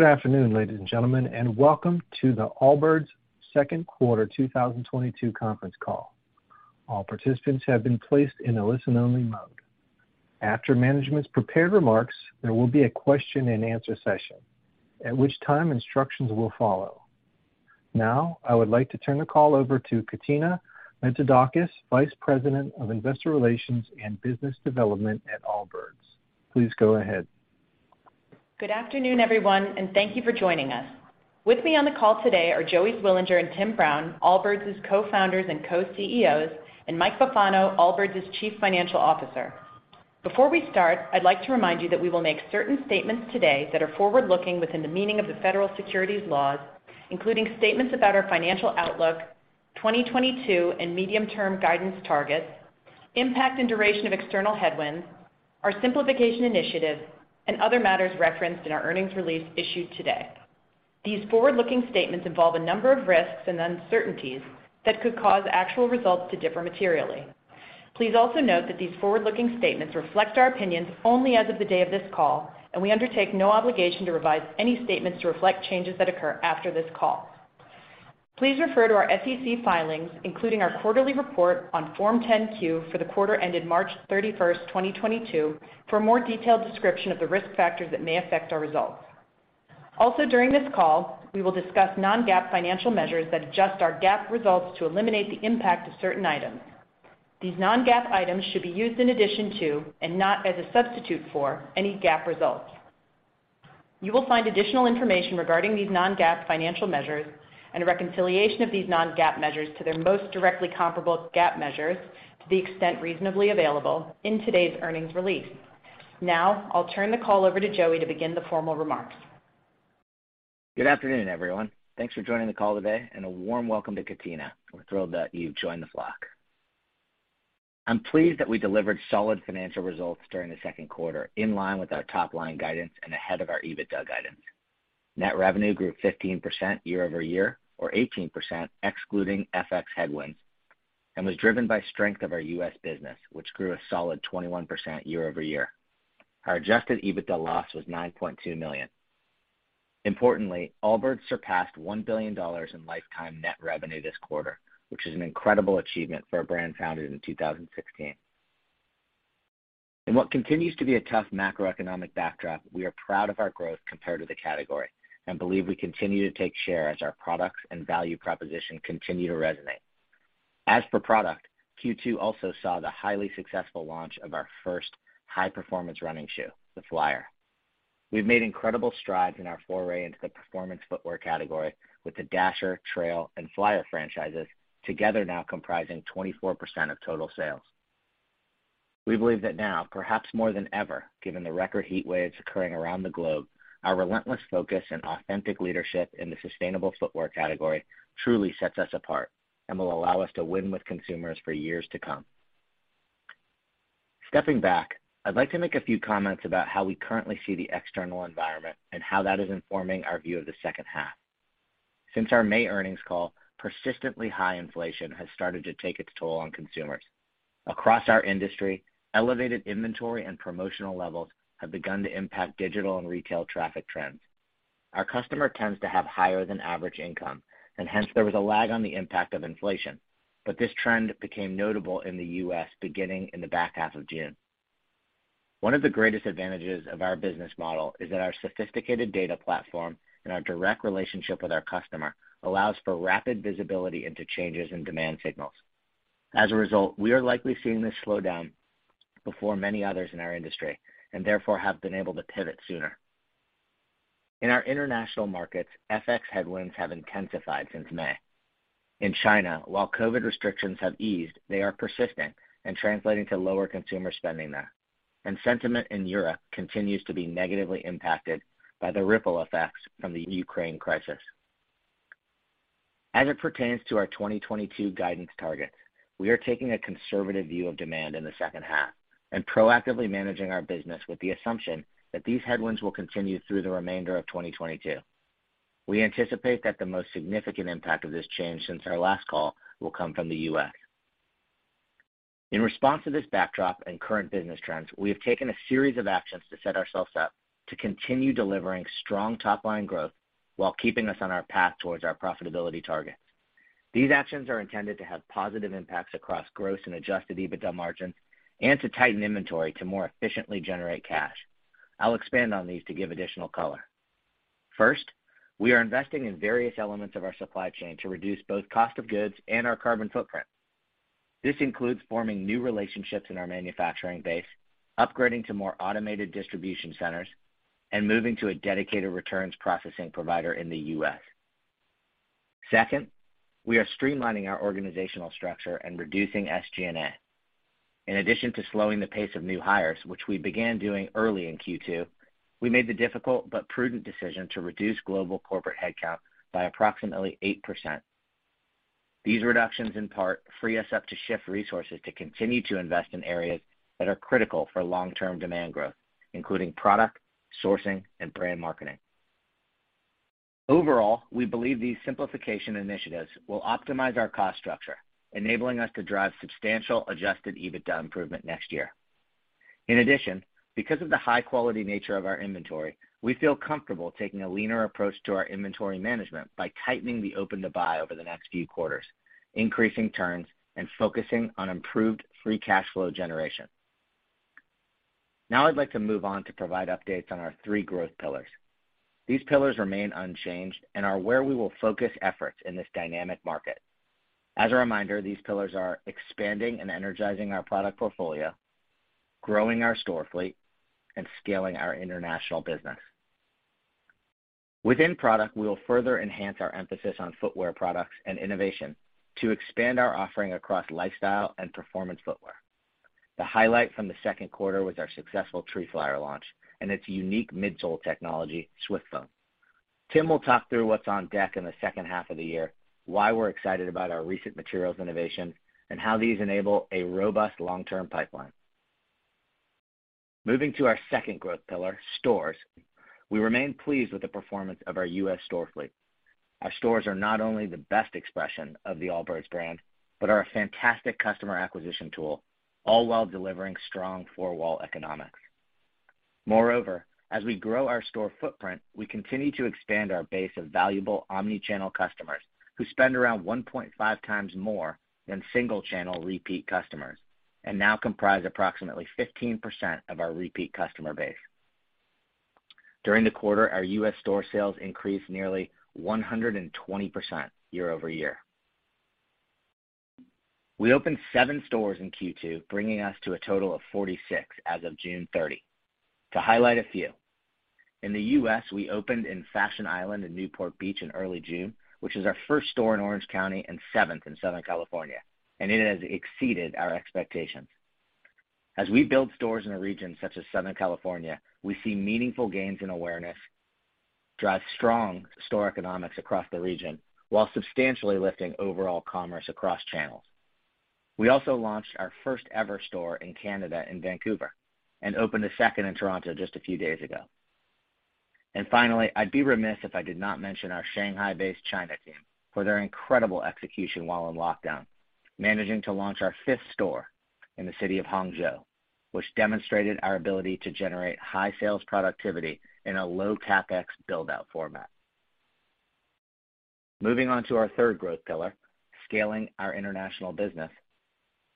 Good afternoon, ladies and gentlemen, and welcome to the Allbirds' second quarter 2022 conference call. All participants have been placed in a listen-only mode. After management's prepared remarks, there will be a question-and-answer session, at which time instructions will follow. Now, I would like to turn the call over to Katina Metzidakis, Vice President of Investor Relations and Business Development at Allbirds. Please go ahead. Good afternoon, everyone, and thank you for joining us. With me on the call today are Joey Zwillinger and Tim Brown, Allbirds' co-founders and co-CEOs, and Mike Bufano, Allbirds' Chief Financial Officer. Before we start, I'd like to remind you that we will make certain statements today that are forward-looking within the meaning of the federal securities laws, including statements about our financial outlook, 2022 and medium-term guidance targets, impact and duration of external headwinds, our simplification initiative, and other matters referenced in our earnings release issued today. These forward-looking statements involve a number of risks and uncertainties that could cause actual results to differ materially. Please also note that these forward-looking statements reflect our opinions only as of the day of this call, and we undertake no obligation to revise any statements to reflect changes that occur after this call. Please refer to our SEC filings, including our quarterly report on Form 10-Q for the quarter ended March 31, 2022 for a more detailed description of the risk factors that may affect our results. Also during this call, we will discuss non-GAAP financial measures that adjust our GAAP results to eliminate the impact of certain items. These Non-GAAP items should be used in addition to, and not as a substitute for, any GAAP results. You will find additional information regarding these Non-GAAP financial measures and a reconciliation of these Non-GAAP measures to their most directly comparable GAAP measures, to the extent reasonably available, in today's earnings release. Now, I'll turn the call over to Joey to begin the formal remarks. Good afternoon, everyone. Thanks for joining the call today, and a warm welcome to Katina. We're thrilled that you've joined the flock. I'm pleased that we delivered solid financial results during the second quarter, in line with our top-line guidance and ahead of our EBITDA guidance. Net revenue grew 15% year-over-year or 18% excluding FX headwinds, and was driven by strength of our U.S. business, which grew a solid 21% year-over-year. Our Adjusted EBITDA loss was $9.2 million. Importantly, Allbirds surpassed $1 billion in lifetime net revenue this quarter, which is an incredible achievement for a brand founded in 2016. In what continues to be a tough macroeconomic backdrop, we are proud of our growth compared to the category and believe we continue to take share as our products and value proposition continue to resonate. As for product, Q2 also saw the highly successful launch of our first high-performance running shoe, the Flyer. We've made incredible strides in our foray into the performance footwear category with the Dasher, Trail, and Flyer franchises together now comprising 24% of total sales. We believe that now, perhaps more than ever, given the record heat waves occurring around the globe, our relentless focus and authentic leadership in the sustainable footwear category truly sets us apart and will allow us to win with consumers for years to come. Stepping back, I'd like to make a few comments about how we currently see the external environment and how that is informing our view of the second half. Since our May earnings call, persistently high inflation has started to take its toll on consumers. Across our industry, elevated inventory and promotional levels have begun to impact digital and retail traffic trends. Our customer tends to have higher than average income, and hence there was a lag on the impact of inflation, but this trend became notable in the U.S. beginning in the back half of June. One of the greatest advantages of our business model is that our sophisticated data platform and our direct relationship with our customer allows for rapid visibility into changes in demand signals. As a result, we are likely seeing this slowdown before many others in our industry and therefore have been able to pivot sooner. In our international markets, FX headwinds have intensified since May. In China, while COVID restrictions have eased, they are persistent and translating to lower consumer spending there, and sentiment in Europe continues to be negatively impacted by the ripple effects from the Ukraine crisis. As it pertains to our 2022 guidance targets, we are taking a conservative view of demand in the second half and proactively managing our business with the assumption that these headwinds will continue through the remainder of 2022. We anticipate that the most significant impact of this change since our last call will come from the U.S. In response to this backdrop and current business trends, we have taken a series of actions to set ourselves up to continue delivering strong top-line growth while keeping us on our path towards our profitability targets. These actions are intended to have positive impacts across gross and Adjusted EBITDA margins and to tighten inventory to more efficiently generate cash. I'll expand on these to give additional color. First, we are investing in various elements of our supply chain to reduce both cost of goods and our carbon footprint. This includes forming new relationships in our manufacturing base, upgrading to more automated distribution centers, and moving to a dedicated returns processing provider in the U.S. Second, we are streamlining our organizational structure and reducing SG&A. In addition to slowing the pace of new hires, which we began doing early in Q2, we made the difficult but prudent decision to reduce global corporate headcount by approximately 8%. These reductions in part free us up to shift resources to continue to invest in areas that are critical for long-term demand growth, including product, sourcing, and brand marketing. Overall, we believe these simplification initiatives will optimize our cost structure, enabling us to drive substantial Adjusted EBITDA improvement next year. In addition, because of the high quality nature of our inventory, we feel comfortable taking a leaner approach to our inventory management by tightening the open to buy over the next few quarters, increasing turns, and focusing on improved free cash flow generation. Now I'd like to move on to provide updates on our three growth pillars. These pillars remain unchanged and are where we will focus efforts in this dynamic market. As a reminder, these pillars are expanding and energizing our product portfolio, growing our store fleet, and scaling our international business. Within product, we will further enhance our emphasis on footwear products and innovation to expand our offering across lifestyle and performance footwear. The highlight from the second quarter was our successful Tree Flyer launch and its unique midsole technology, SwiftFoam. Tim will talk through what's on deck in the second half of the year, why we're excited about our recent materials innovation, and how these enable a robust long-term pipeline. Moving to our second growth pillar, stores. We remain pleased with the performance of our U.S. store fleet. Our stores are not only the best expression of the Allbirds brand, but are a fantastic customer acquisition tool, all while delivering strong four-wall economics. Moreover, as we grow our store footprint, we continue to expand our base of valuable omni-channel customers who spend around 1.5 times more than single channel repeat customers, and now comprise approximately 15% of our repeat customer base. During the quarter, our U.S. store sales increased nearly 120% year-over-year. We opened 7 stores in Q2, bringing us to a total of 46 as of June 30. To highlight a few, in the U.S., we opened in Fashion Island in Newport Beach in early June, which is our first store in Orange County and 7th in Southern California, and it has exceeded our expectations. As we build stores in a region such as Southern California, we see meaningful gains in awareness drive strong store economics across the region while substantially lifting overall commerce across channels. We also launched our first ever store in Canada in Vancouver, and opened a second in Toronto just a few days ago. Finally, I'd be remiss if I did not mention our Shanghai-based China team for their incredible execution while in lockdown, managing to launch our fifth store in the city of Hangzhou, which demonstrated our ability to generate high sales productivity in a low CapEx build-out format. Moving on to our third growth pillar, scaling our international business.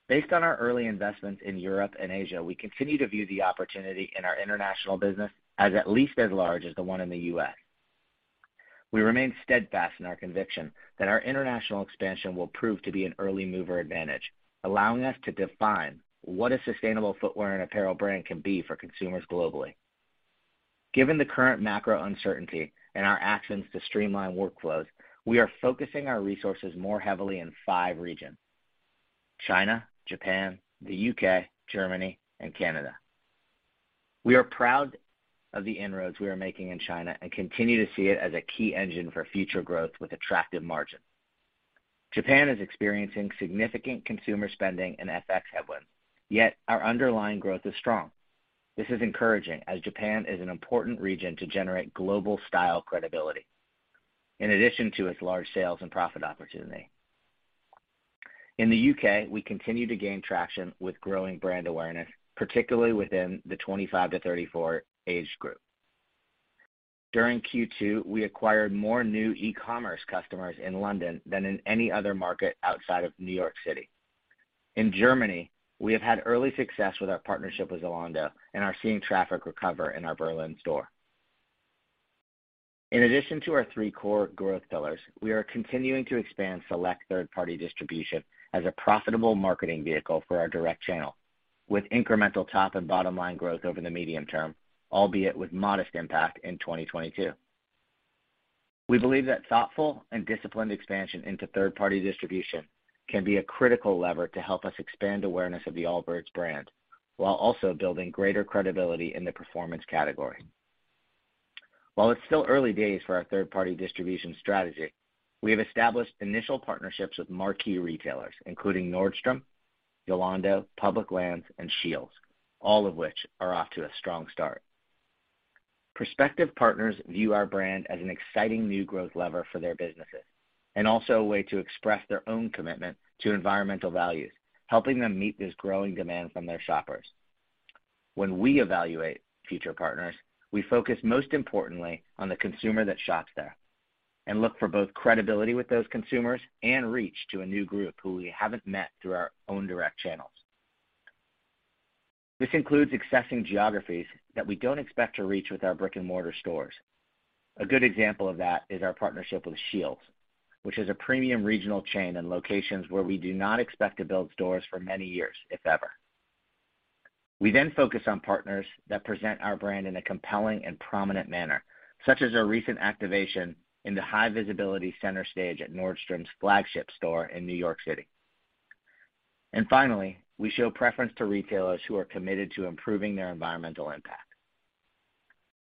Based on our early investments in Europe and Asia, we continue to view the opportunity in our international business as at least as large as the one in the U.S. We remain steadfast in our conviction that our international expansion will prove to be an early mover advantage, allowing us to define what a sustainable footwear and apparel brand can be for consumers globally. Given the current macro uncertainty and our actions to streamline workflows, we are focusing our resources more heavily in five regions, China, Japan, the U.K., Germany, and Canada. We are proud of the inroads we are making in China and continue to see it as a key engine for future growth with attractive margin. Japan is experiencing significant consumer spending and FX headwinds, yet our underlying growth is strong. This is encouraging as Japan is an important region to generate global style credibility in addition to its large sales and profit opportunity. In the U.K., we continue to gain traction with growing brand awareness, particularly within the 25-34 age group. During Q2, we acquired more new e-commerce customers in London than in any other market outside of New York City. In Germany, we have had early success with our partnership with Zalando and are seeing traffic recover in our Berlin store. In addition to our three core growth pillars, we are continuing to expand select third-party distribution as a profitable marketing vehicle for our direct channel with incremental top and bottom line growth over the medium term, albeit with modest impact in 2022. We believe that thoughtful and disciplined expansion into third-party distribution can be a critical lever to help us expand awareness of the Allbirds brand while also building greater credibility in the performance category. While it's still early days for our third-party distribution strategy, we have established initial partnerships with marquee retailers, including Nordstrom, Zalando, Public Lands, and SCHEELS, all of which are off to a strong start. Prospective partners view our brand as an exciting new growth lever for their businesses and also a way to express their own commitment to environmental values, helping them meet this growing demand from their shoppers. When we evaluate future partners, we focus most importantly on the consumer that shops there and look for both credibility with those consumers and reach to a new group who we haven't met through our own direct channels. This includes accessing geographies that we don't expect to reach with our brick-and-mortar stores. A good example of that is our partnership with SCHEELS, which is a premium regional chain in locations where we do not expect to build stores for many years, if ever. We then focus on partners that present our brand in a compelling and prominent manner, such as our recent activation in the high visibility center stage at Nordstrom's flagship store in New York City. Finally, we show preference to retailers who are committed to improving their environmental impact.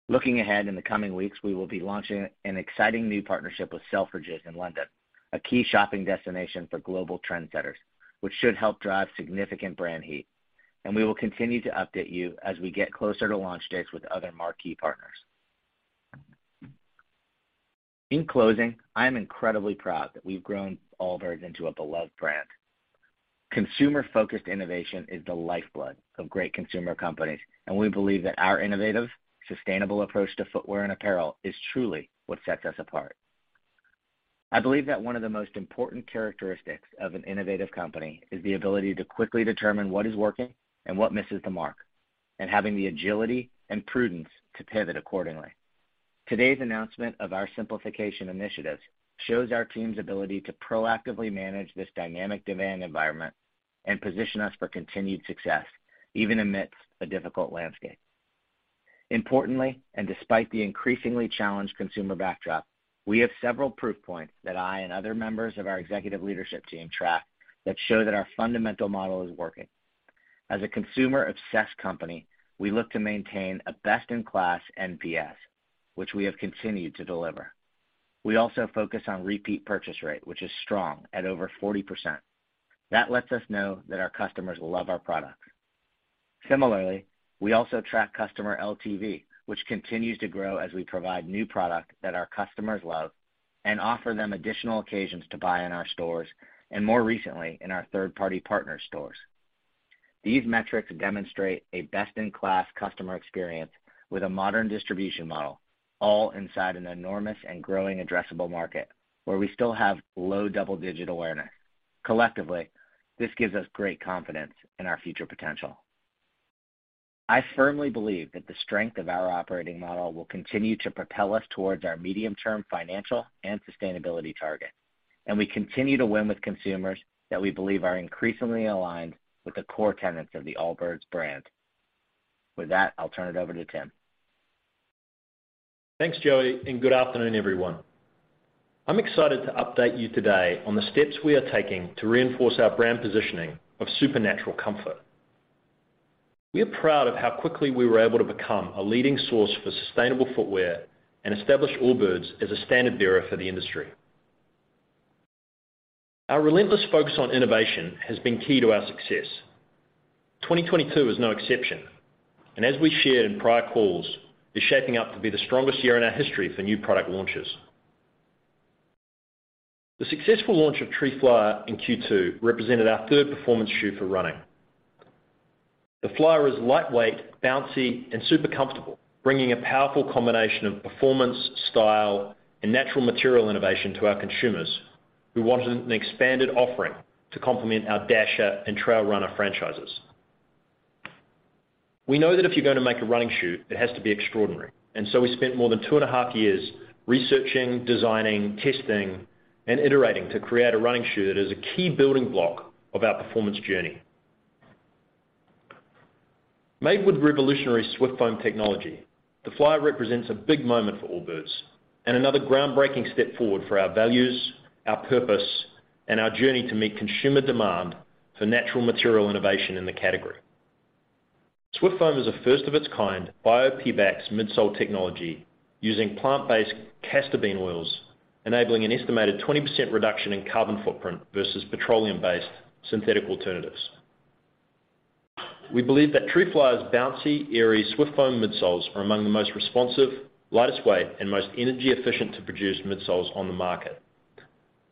Looking ahead in the coming weeks, we will be launching an exciting new partnership with Selfridges in London, a key shopping destination for global trendsetters, which should help drive significant brand heat. We will continue to update you as we get closer to launch dates with other marquee partners. In closing, I am incredibly proud that we've grown Allbirds into a beloved brand. Consumer-focused innovation is the lifeblood of great consumer companies, and we believe that our innovative, sustainable approach to footwear and apparel is truly what sets us apart. I believe that one of the most important characteristics of an innovative company is the ability to quickly determine what is working and what misses the mark, and having the agility and prudence to pivot accordingly. Today's announcement of our simplification initiatives shows our team's ability to proactively manage this dynamic demand environment and position us for continued success, even amidst a difficult landscape. Importantly, and despite the increasingly challenged consumer backdrop, we have several proof points that I and other members of our executive leadership team track that show that our fundamental model is working. As a consumer-obsessed company, we look to maintain a best-in-class NPS, which we have continued to deliver. We also focus on repeat purchase rate, which is strong at over 40%. That lets us know that our customers love our products. Similarly, we also track customer LTV, which continues to grow as we provide new product that our customers love and offer them additional occasions to buy in our stores, and more recently in our third-party partner stores. These metrics demonstrate a best-in-class customer experience with a modern distribution model all inside an enormous and growing addressable market where we still have low double-digit awareness. Collectively, this gives us great confidence in our future potential. I firmly believe that the strength of our operating model will continue to propel us towards our medium-term financial and sustainability target, and we continue to win with consumers that we believe are increasingly aligned with the core tenets of the Allbirds brand. With that, I'll turn it over to Tim. Thanks, Joey, and good afternoon, everyone. I'm excited to update you today on the steps we are taking to reinforce our brand positioning of supernatural comfort. We are proud of how quickly we were able to become a leading source for sustainable footwear and establish Allbirds as a standard bearer for the industry. Our relentless focus on innovation has been key to our success. 2022 was no exception, and as we shared in prior calls, is shaping up to be the strongest year in our history for new product launches. The successful launch of Tree Flyer in Q2 represented our third performance shoe for running. The Flyer is lightweight, bouncy, and super comfortable, bringing a powerful combination of performance, style, and natural material innovation to our consumers who wanted an expanded offering to complement our Dasher and Trail Runner franchises. We know that if you're going to make a running shoe, it has to be extraordinary, so we spent more than 2.5 years researching, designing, testing, and iterating to create a running shoe that is a key building block of our performance journey. Made with revolutionary SwiftFoam technology, the Flyer represents a big moment for Allbirds and another groundbreaking step forward for our values, our purpose, and our journey to meet consumer demand for natural material innovation in the category. SwiftFoam is a first of its kind bio-Pebax midsole technology using plant-based castor bean oils, enabling an estimated 20% reduction in carbon footprint versus petroleum-based synthetic alternatives. We believe that Tree Flyer's bouncy, airy, SwiftFoam midsoles are among the most responsive, lightest weight, and most energy efficient to produce midsoles on the market.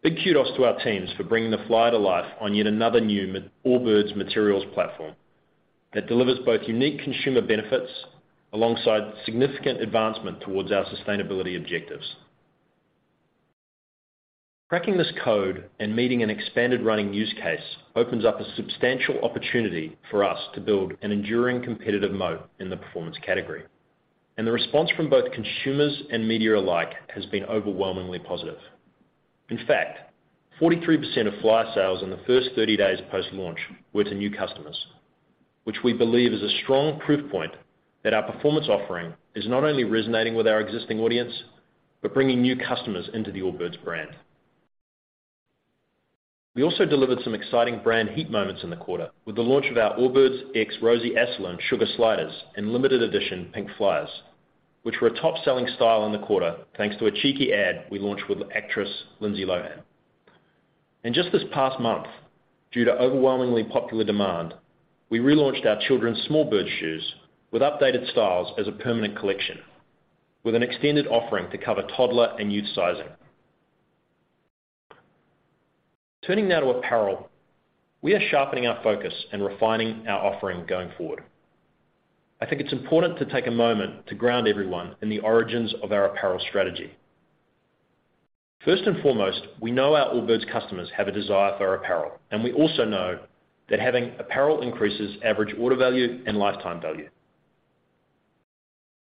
Big kudos to our teams for bringing the Flyer to life on yet another new mid Allbirds materials platform that delivers both unique consumer benefits alongside significant advancement towards our sustainability objectives. Cracking this code and meeting an expanded running use case opens up a substantial opportunity for us to build an enduring competitive moat in the performance category, and the response from both consumers and media alike has been overwhelmingly positive. In fact, 43% of Flyer sales in the first 30 days post-launch were to new customers, which we believe is a strong proof point that our performance offering is not only resonating with our existing audience, but bringing new customers into the Allbirds brand. We also delivered some exciting brand heat moments in the quarter with the launch of our Allbirds x Rosie Assoulin Sugar Sliders and limited edition Pink Flyers, which were a top-selling style in the quarter, thanks to a cheeky ad we launched with actress Lindsay Lohan. Just this past month, due to overwhelmingly popular demand, we relaunched our children's Smallbirds shoes with updated styles as a permanent collection with an extended offering to cover toddler and youth sizing. Turning now to apparel. We are sharpening our focus and refining our offering going forward. I think it's important to take a moment to ground everyone in the origins of our apparel strategy. First and foremost, we know our Allbirds customers have a desire for apparel, and we also know that having apparel increases average order value and lifetime value.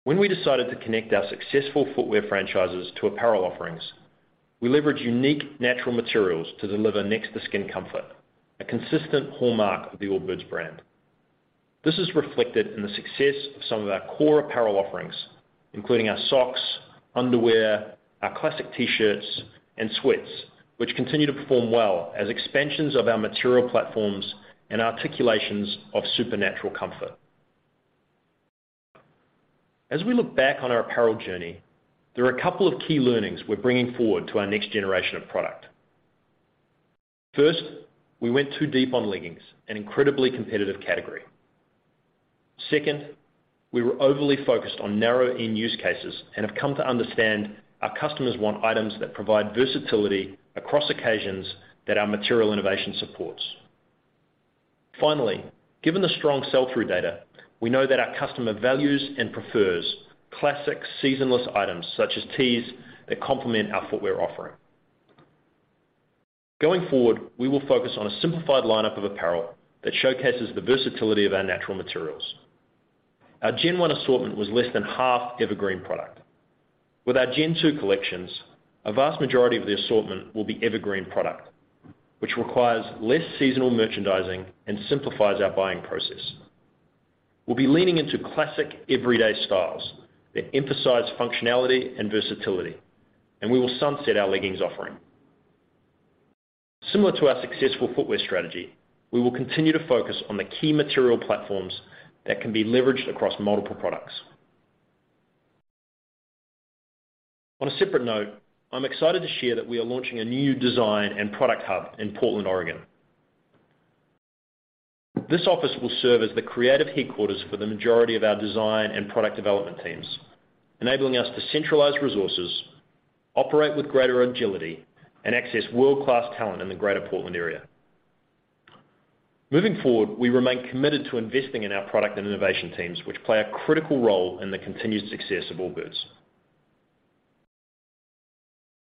When we decided to connect our successful footwear franchises to apparel offerings, we leveraged unique natural materials to deliver next to skin comfort, a consistent hallmark of the Allbirds brand. This is reflected in the success of some of our core apparel offerings, including our socks, underwear, our classic T-shirts, and sweats, which continue to perform well as expansions of our material platforms and articulations of supernatural comfort. As we look back on our apparel journey, there are a couple of key learnings we're bringing forward to our next generation of product. First, we went too deep on leggings, an incredibly competitive category. Second, we were overly focused on narrow end use cases and have come to understand our customers want items that provide versatility across occasions that our material innovation supports. Finally, given the strong sell-through data, we know that our customer values and prefers classic seasonless items such as tees that complement our footwear offering. Going forward, we will focus on a simplified lineup of apparel that showcases the versatility of our natural materials. Our Gen 1 assortment was less than half evergreen product. With our Gen 2 collections, a vast majority of the assortment will be evergreen product, which requires less seasonal merchandising and simplifies our buying process. We'll be leaning into classic everyday styles that emphasize functionality and versatility, and we will sunset our leggings offering. Similar to our successful footwear strategy, we will continue to focus on the key material platforms that can be leveraged across multiple products. On a separate note, I'm excited to share that we are launching a new design and product hub in Portland, Oregon. This office will serve as the creative headquarters for the majority of our design and product development teams, enabling us to centralize resources, operate with greater agility, and access world-class talent in the greater Portland area. Moving forward, we remain committed to investing in our product and innovation teams, which play a critical role in the continued success of Allbirds.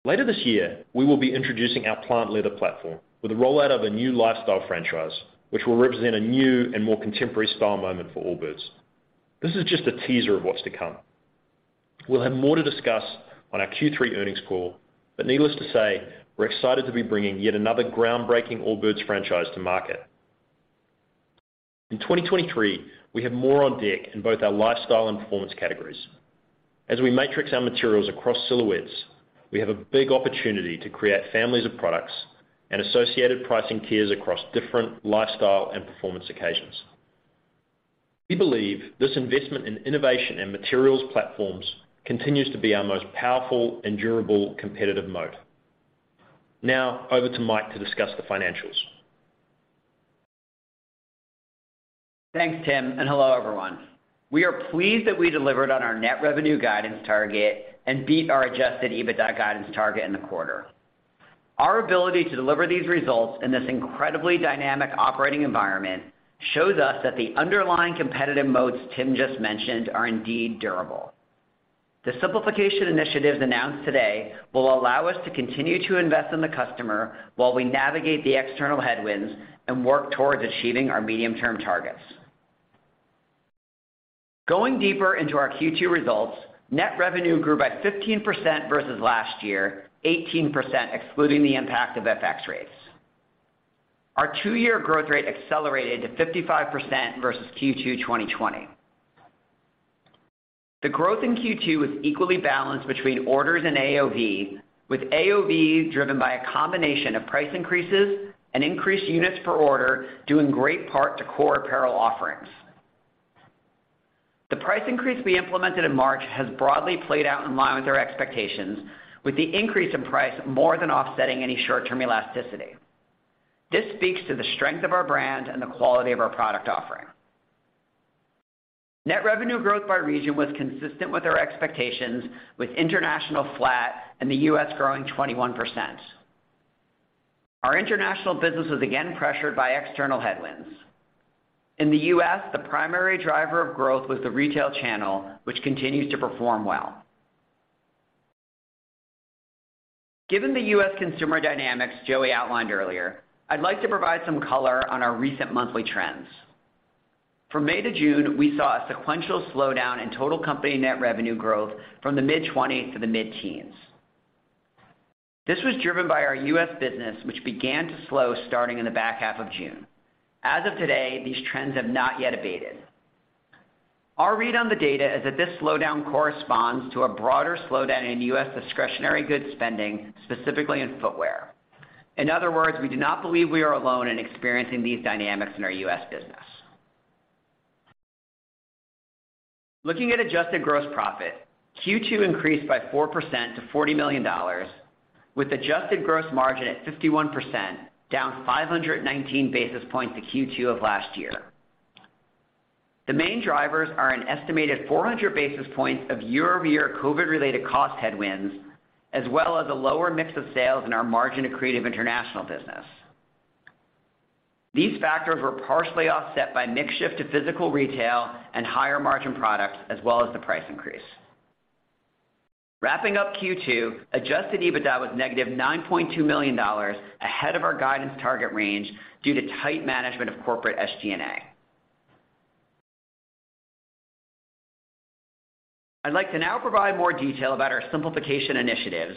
Later this year, we will be introducing our Plant Leather platform with the rollout of a new lifestyle franchise, which will represent a new and more contemporary style moment for Allbirds. This is just a teaser of what's to come. We'll have more to discuss on our Q3 earnings call, but needless to say, we're excited to be bringing yet another groundbreaking Allbirds franchise to market. In 2023, we have more on deck in both our lifestyle and performance categories. As we matrix our materials across silhouettes, we have a big opportunity to create families of products and associated pricing tiers across different lifestyle and performance occasions. We believe this investment in innovation and materials platforms continues to be our most powerful and durable competitive moat. Now over to Mike to discuss the financials. Thanks, Tim, and hello, everyone. We are pleased that we delivered on our net revenue guidance target and beat our Adjusted EBITDA guidance target in the quarter. Our ability to deliver these results in this incredibly dynamic operating environment shows us that the underlying competitive modes Tim just mentioned are indeed durable. The simplification initiatives announced today will allow us to continue to invest in the customer while we navigate the external headwinds and work towards achieving our medium-term targets. Going deeper into our Q2 results, net revenue grew by 15% versus last year, 18% excluding the impact of FX rates. Our two-year growth rate accelerated to 55% versus Q2 2020. The growth in Q2 was equally balanced between orders and AOV, with AOV driven by a combination of price increases and increased units per order, due in great part to core apparel offerings. The price increase we implemented in March has broadly played out in line with our expectations, with the increase in price more than offsetting any short-term elasticity. This speaks to the strength of our brand and the quality of our product offering. Net revenue growth by region was consistent with our expectations, with international flat and the U.S. growing 21%. Our international business was again pressured by external headwinds. In the U.S., the primary driver of growth was the retail channel, which continues to perform well. Given the U.S. consumer dynamics Joey outlined earlier, I'd like to provide some color on our recent monthly trends. From May to June, we saw a sequential slowdown in total company net revenue growth from the mid-20s to the mid-teens. This was driven by our U.S. business, which began to slow starting in the back half of June. As of today, these trends have not yet abated. Our read on the data is that this slowdown corresponds to a broader slowdown in U.S. discretionary goods spending, specifically in footwear. In other words, we do not believe we are alone in experiencing these dynamics in our U.S. business. Looking at adjusted gross profit, Q2 increased by 4% to $40 million with adjusted gross margin at 51%, down 519 basis points to Q2 of last year. The main drivers are an estimated 400 basis points of year-over-year COVID-related cost headwinds, as well as a lower mix of sales in our margin accretive international business. These factors were partially offset by mix shift to physical retail and higher margin products, as well as the price increase. Wrapping up Q2, Adjusted EBITDA was -$9.2 million ahead of our guidance target range due to tight management of corporate SG&A. I'd like to now provide more detail about our simplification initiatives,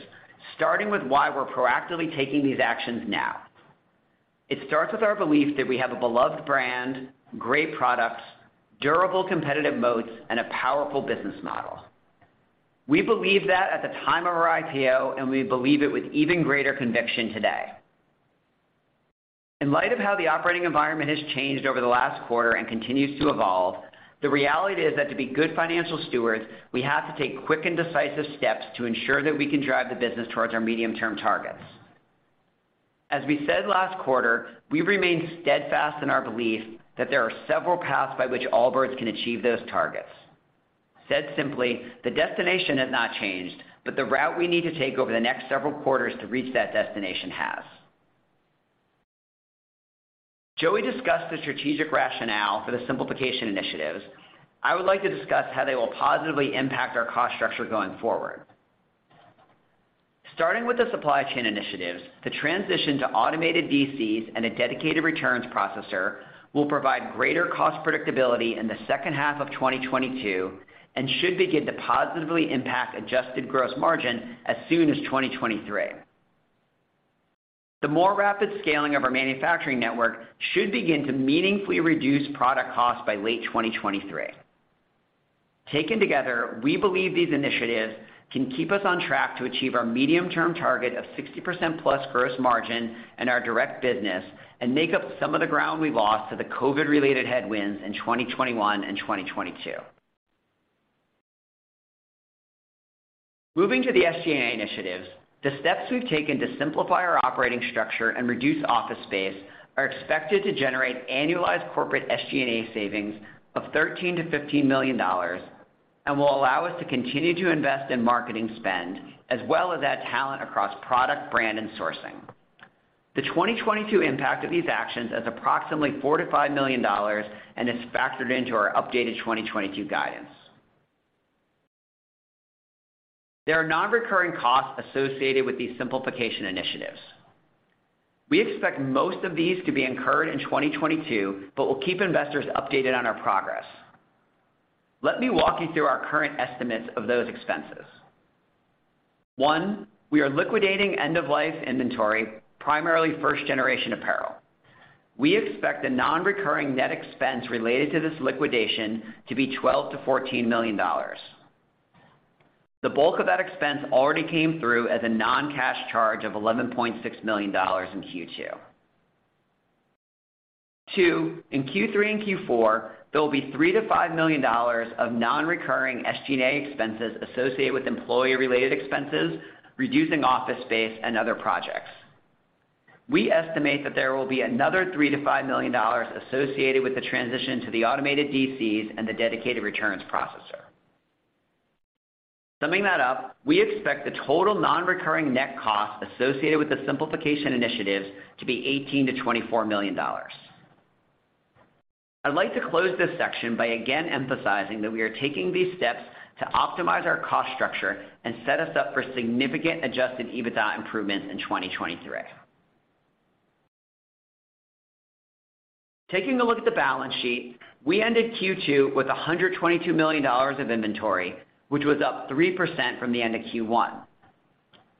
starting with why we're proactively taking these actions now. It starts with our belief that we have a beloved brand, great products, durable competitive moats, and a powerful business model. We believe that at the time of our IPO, and we believe it with even greater conviction today. In light of how the operating environment has changed over the last quarter and continues to evolve, the reality is that to be good financial stewards, we have to take quick and decisive steps to ensure that we can drive the business towards our medium-term targets. As we said last quarter, we remain steadfast in our belief that there are several paths by which Allbirds can achieve those targets. Said simply, the destination has not changed, but the route we need to take over the next several quarters to reach that destination has. Joey discussed the strategic rationale for the simplification initiatives. I would like to discuss how they will positively impact our cost structure going forward. Starting with the supply chain initiatives, the transition to automated DCs and a dedicated returns processor will provide greater cost predictability in the second half of 2022 and should begin to positively impact adjusted gross margin as soon as 2023. The more rapid scaling of our manufacturing network should begin to meaningfully reduce product costs by late 2023. Taken together, we believe these initiatives can keep us on track to achieve our medium-term target of 60%+ gross margin in our direct business and make up some of the ground we lost to the COVID-related headwinds in 2021 and 2022. Moving to the SG&A initiatives, the steps we've taken to simplify our operating structure and reduce office space are expected to generate annualized corporate SG&A savings of $13 million-$15 million and will allow us to continue to invest in marketing spend as well as add talent across product, brand, and sourcing. The 2022 impact of these actions is approximately $4 million-$5 million and is factored into our updated 2022 guidance. There are non-recurring costs associated with these simplification initiatives. We expect most of these to be incurred in 2022, but we'll keep investors updated on our progress. Let me walk you through our current estimates of those expenses. One, we are liquidating end-of-life inventory, primarily first-generation apparel. We expect the non-recurring net expense related to this liquidation to be $12 million-$14 million. The bulk of that expense already came through as a non-cash charge of $11.6 million in Q2. Two, in Q3 and Q4, there will be $3 million-$5 million of non-recurring SG&A expenses associated with employee-related expenses, reducing office space, and other projects. We estimate that there will be another $3 million-$5 million associated with the transition to the automated DCs and the dedicated returns processor. Summing that up, we expect the total non-recurring net cost associated with the simplification initiatives to be $18 million-$24 million. I'd like to close this section by again emphasizing that we are taking these steps to optimize our cost structure and set us up for significant Adjusted EBITDA improvements in 2023. Taking a look at the balance sheet, we ended Q2 with $122 million of inventory, which was up 3% from the end of Q1.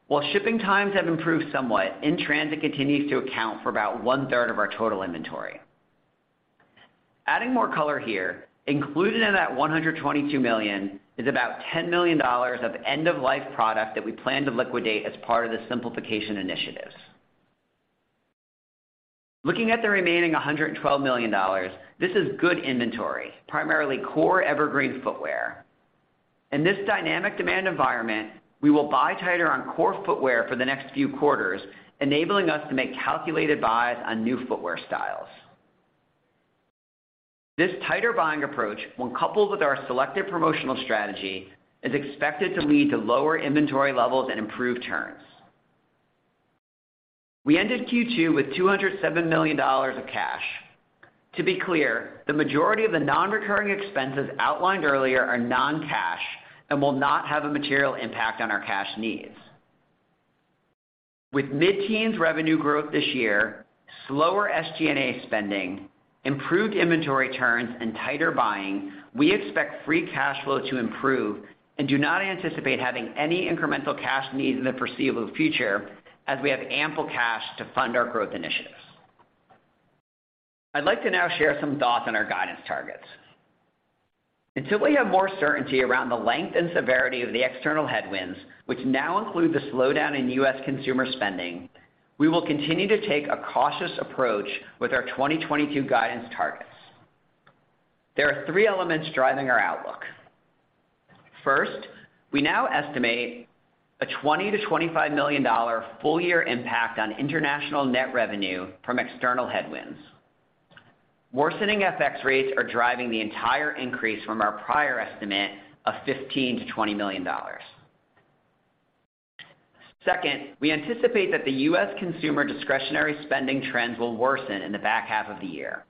While shipping times have improved somewhat, in-transit continues to account for about one-third of our total inventory. Adding more color here, included in that $122 million is about $10 million of end-of-life product that we plan to liquidate as part of the simplification initiatives. Looking at the remaining $112 million, this is good inventory, primarily core evergreen footwear. In this dynamic demand environment, we will buy tighter on core footwear for the next few quarters, enabling us to make calculated buys on new footwear styles. This tighter buying approach, when coupled with our selective promotional strategy, is expected to lead to lower inventory levels and improved turns. We ended Q2 with $207 million of cash. To be clear, the majority of the non-recurring expenses outlined earlier are non-cash and will not have a material impact on our cash needs. With mid-teens revenue growth this year, slower SG&A spending, improved inventory turns, and tighter buying, we expect free cash flow to improve and do not anticipate having any incremental cash needs in the foreseeable future as we have ample cash to fund our growth initiatives. I'd like to now share some thoughts on our guidance targets. Until we have more certainty around the length and severity of the external headwinds, which now include the slowdown in U.S. consumer spending, we will continue to take a cautious approach with our 2022 guidance targets. There are three elements driving our outlook. First, we now estimate a $20 million-$25 million full-year impact on international net revenue from external headwinds. Worsening FX rates are driving the entire increase from our prior estimate of $15 million-$20 million. Second, we anticipate that the U.S. consumer discretionary spending trends will worsen in the back half of the year.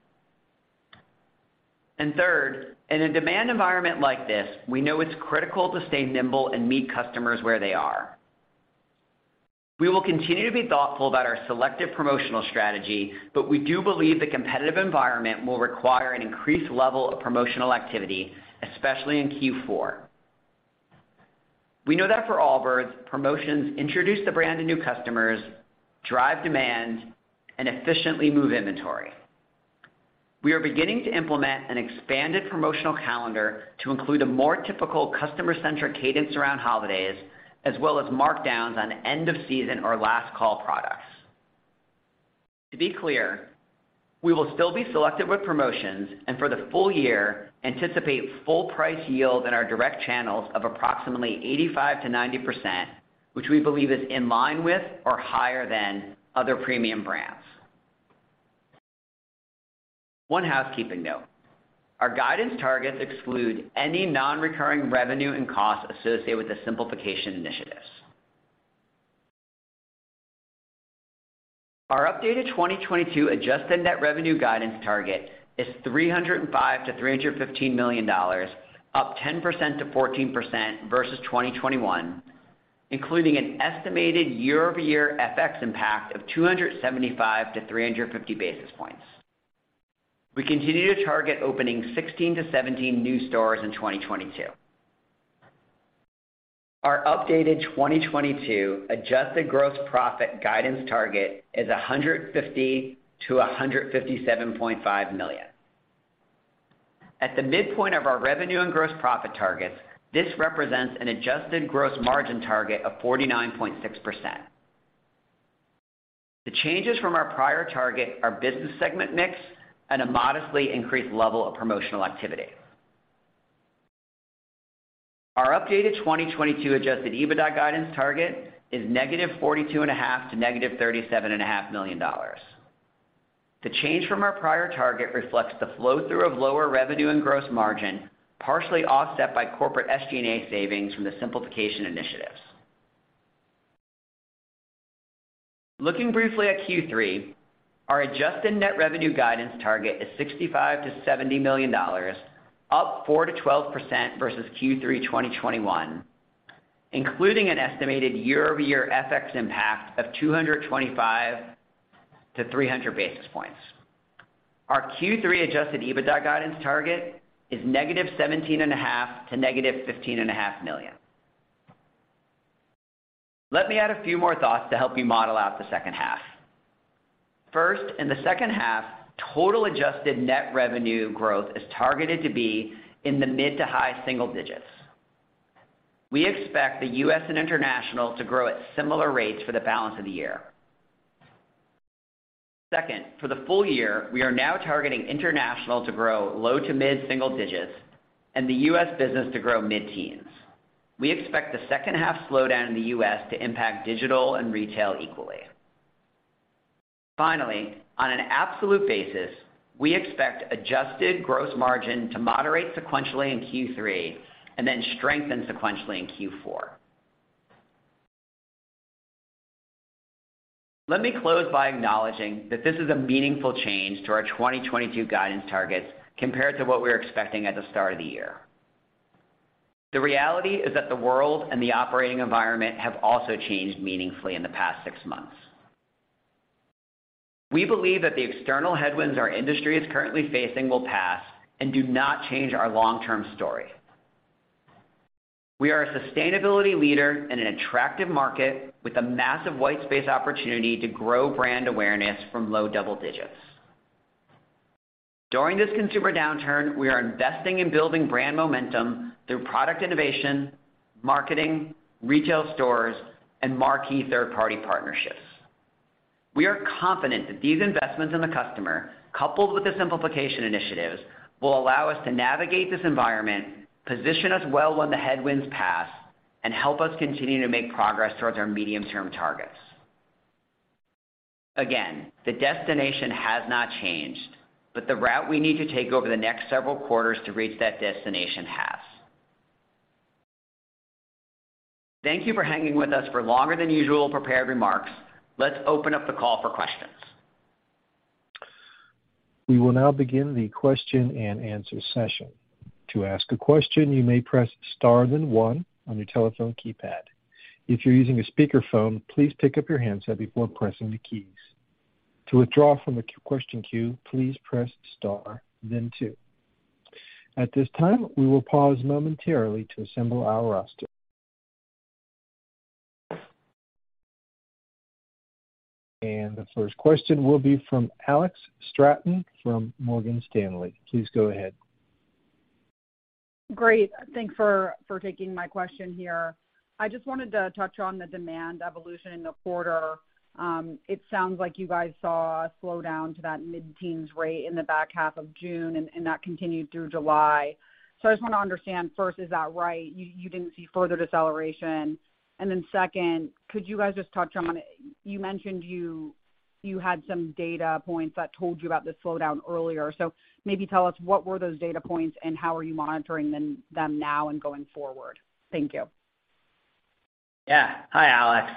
Third, in a demand environment like this, we know it's critical to stay nimble and meet customers where they are. We will continue to be thoughtful about our selective promotional strategy, but we do believe the competitive environment will require an increased level of promotional activity, especially in Q4. We know that for Allbirds, promotions introduce the brand to new customers, drive demand, and efficiently move inventory. We are beginning to implement an expanded promotional calendar to include a more typical customer-centric cadence around holidays, as well as markdowns on end of season or last call products. To be clear, we will still be selective with promotions and for the full year anticipate full price yield in our direct channels of approximately 85%-90%, which we believe is in line with or higher than other premium brands. One housekeeping note. Our guidance targets exclude any non-recurring revenue and costs associated with the simplification initiatives. Our updated 2022 adjusted net revenue guidance target is $305 million-$315 million, up 10%-14% versus 2021, including an estimated year-over-year FX impact of 275-350 basis points. We continue to target opening 16-17 new stores in 2022. Our updated 2022 adjusted gross profit guidance target is $150 million-$157.5 million. At the midpoint of our revenue and gross profit targets, this represents an adjusted gross margin target of 49.6%. The changes from our prior target are business segment mix and a modestly increased level of promotional activity. Our updated 2022 Adjusted EBITDA guidance target is -$42.5 million to -$37.5 million. The change from our prior target reflects the flow through of lower revenue and gross margin, partially offset by corporate SG&A savings from the simplification initiatives. Looking briefly at Q3, our Adjusted Net Revenue guidance target is $65-$70 million, up 4%-12% versus Q3 2021, including an estimated year-over-year FX impact of 225-300 basis points. Our Q3 Adjusted EBITDA guidance target is -$17.5 Million to -$15.5 Million. Let me add a few more thoughts to help you model out the second half. First, in the second half, total adjusted net revenue growth is targeted to be in the mid to high single digits. We expect the U.S. and international to grow at similar rates for the balance of the year. Second, for the full year, we are now targeting international to grow low- to mid-single digits and the U.S. business to grow mid-teens. We expect the second half slowdown in the U.S. to impact digital and retail equally. Finally, on an absolute basis, we expect adjusted gross margin to moderate sequentially in Q3 and then strengthen sequentially in Q4. Let me close by acknowledging that this is a meaningful change to our 2022 guidance targets compared to what we were expecting at the start of the year. The reality is that the world and the operating environment have also changed meaningfully in the past six months. We believe that the external headwinds our industry is currently facing will pass and do not change our long-term story. We are a sustainability leader in an attractive market with a massive white space opportunity to grow brand awareness from low double digits. During this consumer downturn, we are investing in building brand momentum through product innovation, marketing, retail stores, and marquee third-party partnerships. We are confident that these investments in the customer, coupled with the simplification initiatives, will allow us to navigate this environment, position us well when the headwinds pass, and help us continue to make progress towards our medium-term targets. Again, the destination has not changed, but the route we need to take over the next several quarters to reach that destination has. Thank you for hanging with us for longer than usual prepared remarks. Let's open up the call for questions. We will now begin the question-and-answer session. To ask a question, you may press star then one on your telephone keypad. If you're using a speakerphone, please pick up your handset before pressing the keys. To withdraw from the question queue, please press star then two. At this time, we will pause momentarily to assemble our roster. The first question will be from Alex Straton from Morgan Stanley. Please go ahead. Great. Thanks for taking my question here. I just wanted to touch on the demand evolution in the quarter. It sounds like you guys saw a slowdown to that mid-teens rate in the back half of June, and that continued through July. I just wanna understand first, is that right? You didn't see further deceleration. Then second, could you guys just touch on. You mentioned you had some data points that told you about the slowdown earlier. Maybe tell us what were those data points and how are you monitoring them now and going forward? Thank you. Yeah. Hi, Alex.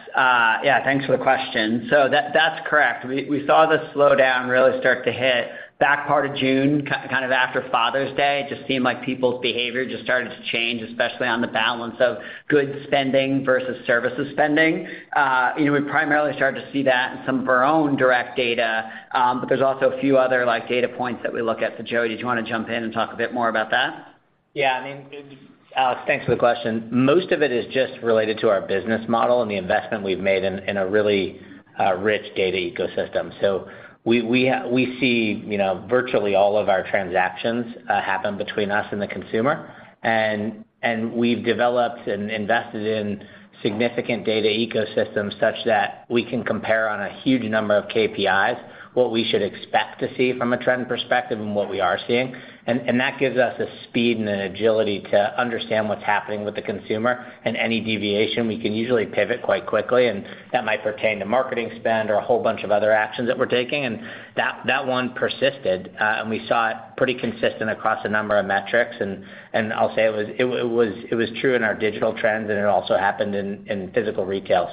Yeah, thanks for the question. That’s correct. We saw the slowdown really start to hit back part of June, kind of after Father's Day. It just seemed like people's behavior just started to change, especially on the balance of goods spending versus services spending. You know, we primarily started to see that in some of our own direct data, but there's also a few other like data points that we look at. Joey, do you wanna jump in and talk a bit more about that? Yeah, I mean, Alex, thanks for the question. Most of it is just related to our business model and the investment we've made in a really rich data ecosystem. We see, you know, virtually all of our transactions happen between us and the consumer. We've developed and invested in significant data ecosystems such that we can compare on a huge number of KPIs what we should expect to see from a trend perspective and what we are seeing. That gives us a speed and an agility to understand what's happening with the consumer. Any deviation, we can usually pivot quite quickly, and that might pertain to marketing spend or a whole bunch of other actions that we're taking. That one persisted, and we saw it pretty consistent across a number of metrics. I'll say it was true in our digital trends, and it also happened in physical retail.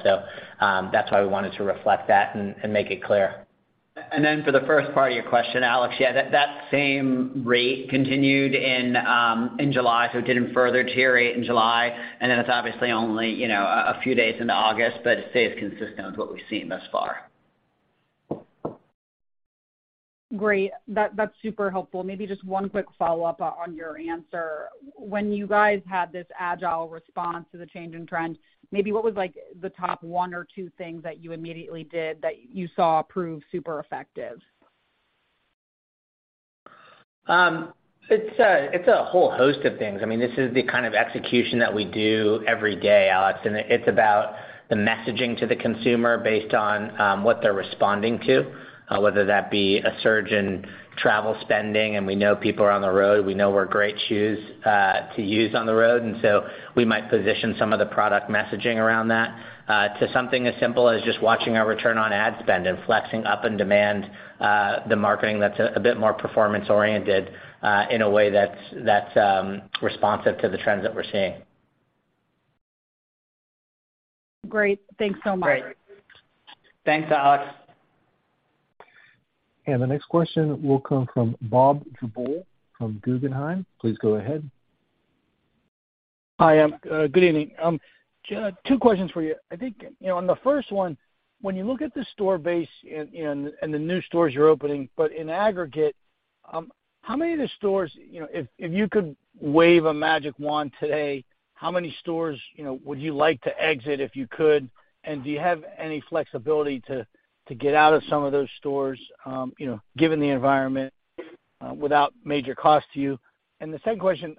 That's why we wanted to reflect that and make it clear. Then for the first part of your question, Alex, yeah, that same rate continued in July, so it didn't further deteriorate in July, and then it's obviously only, you know, a few days into August, but it stays consistent with what we've seen thus far. Great. That's super helpful. Maybe just one quick follow-up on your answer. When you guys had this agile response to the change in trends, maybe what was like the top one or two things that you immediately did that you saw prove super effective? It's a whole host of things. I mean, this is the kind of execution that we do every day, Alex, and it's about the messaging to the consumer based on what they're responding to, whether that be a surge in travel spending, and we know people are on the road, we know we're great shoes to use on the road, and so we might position some of the product messaging around that, to something as simple as just watching our return on ad spend and flexing up in demand, the marketing that's a bit more performance-oriented, in a way that's responsive to the trends that we're seeing. Great. Thanks so much. Great. Thanks, Alex. The next question will come from Bob Drbul from Guggenheim. Please go ahead. Hi, good evening. Two questions for you. I think, you know, on the first one, when you look at the store base and the new stores you're opening, but in aggregate, how many of the stores, you know, if you could wave a magic wand today, how many stores, you know, would you like to exit if you could? Do you have any flexibility to get out of some of those stores, you know, given the environment, without major cost to you? The second question,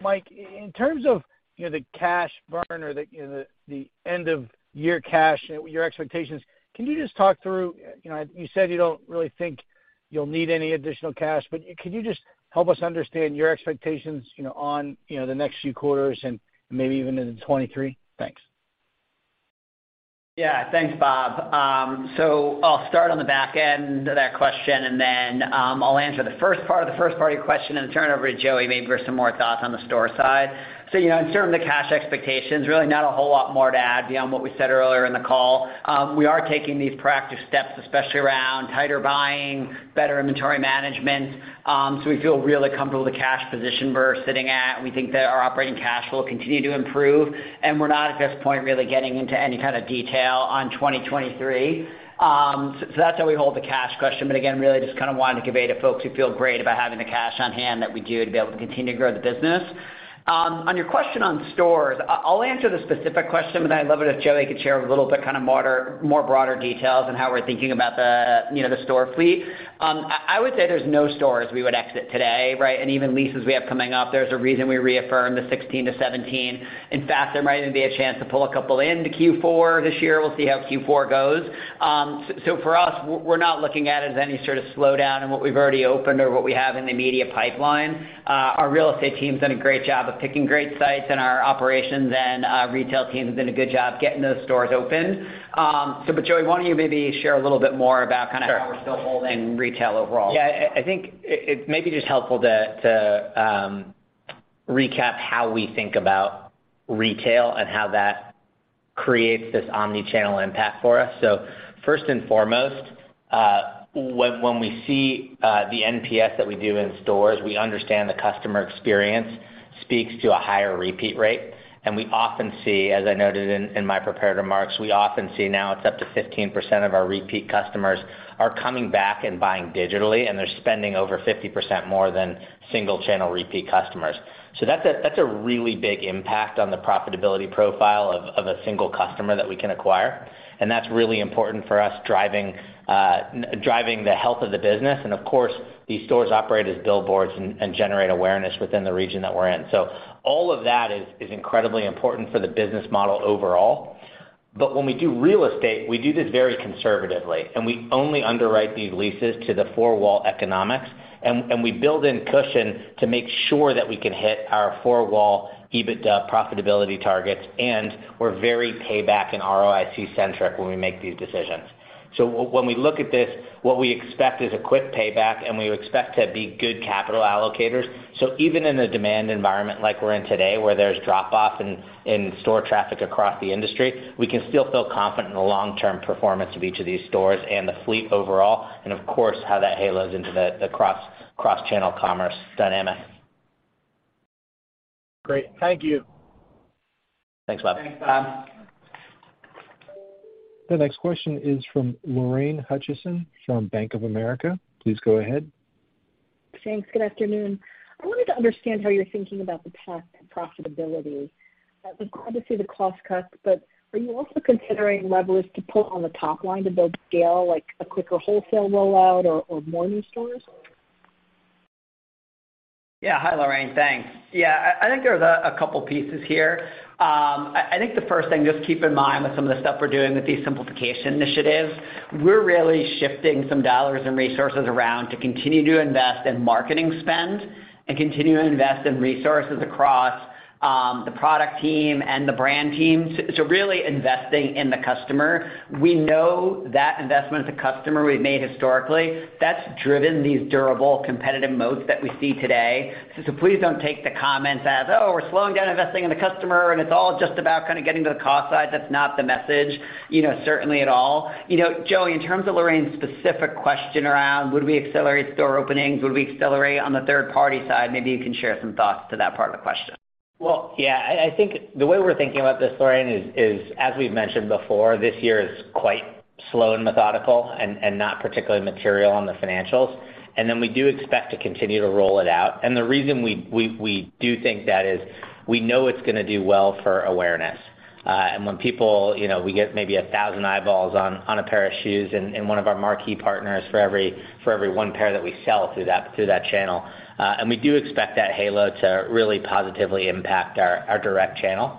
Mike, in terms of, you know, the cash burn or, you know, the end of year cash, your expectations, can you just talk through, you know, you said you don't really think you'll need any additional cash, but can you just help us understand your expectations, you know, on, you know, the next few quarters and maybe even into 2023? Thanks. Yeah. Thanks, Bob. I'll start on the back end of that question, and then, I'll answer the first part of the first part of your question and turn it over to Joey maybe for some more thoughts on the store side. You know, in terms of the cash expectations, really not a whole lot more to add beyond what we said earlier in the call. We are taking these proactive steps, especially around tighter buying, better inventory management. We feel really comfortable with the cash position we're sitting at. We think that our operating cash flow will continue to improve, and we're not at this point really getting into any kind of detail on 2023. That's how we hold the cash question. Again, really just kind of wanted to convey to folks who feel great about having the cash on hand that we do to be able to continue to grow the business. On your question on stores, I'll answer the specific question, but I'd love it if Joey could share a little bit kind of more broader details on how we're thinking about the, you know, the store fleet. I would say there's no stores we would exit today, right? Even leases we have coming up, there's a reason we reaffirm the 16-17. In fact, there might even be a chance to pull a couple into Q4 this year. We'll see how Q4 goes. For us, we're not looking at it as any sort of slowdown in what we've already opened or what we have in the immediate pipeline. Our real estate team's done a great job of picking great sites and our operations and retail team has done a good job getting those stores open. Joey, why don't you maybe share a little bit more about kind of how we're still holding retail overall? Yeah, I think it may be just helpful to recap how we think about retail and how that creates this omni-channel impact for us. First and foremost, when we see the NPS that we do in stores, we understand the customer experience speaks to a higher repeat rate. We often see, as I noted in my prepared remarks, we often see now it's up to 15% of our repeat customers are coming back and buying digitally, and they're spending over 50% more than single channel repeat customers. That's a really big impact on the profitability profile of a single customer that we can acquire. That's really important for us driving the health of the business. Of course, these stores operate as billboards and generate awareness within the region that we're in. All of that is incredibly important for the business model overall. When we do real estate, we do this very conservatively, and we only underwrite these leases to the four-wall economics, and we build in cushion to make sure that we can hit our four-wall EBITDA profitability targets, and we're very payback and ROIC-centric when we make these decisions. When we look at this, what we expect is a quick payback, and we expect to be good capital allocators. Even in a demand environment like we're in today, where there's drop-off in store traffic across the industry, we can still feel confident in the long-term performance of each of these stores and the fleet overall, and of course, how that halos into the cross-channel commerce dynamics. Great. Thank you. Thanks, Bob. Thanks, Bob. The next question is from Lorraine Hutchinson from Bank of America. Please go ahead. Thanks. Good afternoon. I wanted to understand how you're thinking about the path to profitability. It was good to see the cost cuts, but are you also considering levers to pull on the top line to build scale, like a quicker wholesale rollout or more new stores? Yeah. Hi, Lorraine. Thanks. Yeah, I think there's a couple pieces here. I think the first thing, just keep in mind with some of the stuff we're doing with these simplification initiatives, we're really shifting some dollars and resources around to continue to invest in marketing spend and continue to invest in resources across the product team and the brand team to really investing in the customer. We know that investment as a customer we've made historically, that's driven these durable competitive moats that we see today. Please don't take the comments as, "Oh, we're slowing down investing in the customer, and it's all just about kind of getting to the cost side." That's not the message, you know, certainly at all. You know, Joey, in terms of Lorraine's specific question around would we accelerate store openings, would we accelerate on the third party side, maybe you can share some thoughts to that part of the question. Well, yeah. I think the way we're thinking about this, Lorraine, is as we've mentioned before, this year is quite slow and methodical and not particularly material on the financials. Then we do expect to continue to roll it out. The reason we do think that is we know it's gonna do well for awareness. When people you know, we get maybe 1,000 eyeballs on a pair of shoes and one of our marquee partners for every one pair that we sell through that channel. We do expect that halo to really positively impact our direct channel.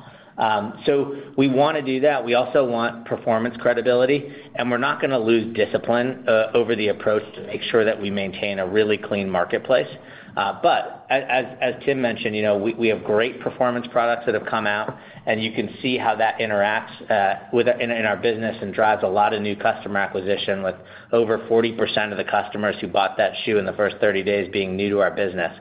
So we wanna do that. We also want performance credibility, and we're not gonna lose discipline over the approach to make sure that we maintain a really clean marketplace. As Tim mentioned, you know, we have great performance products that have come out, and you can see how that interacts within our business and drives a lot of new customer acquisition, with over 40% of the customers who bought that shoe in the first 30 days being new to our business.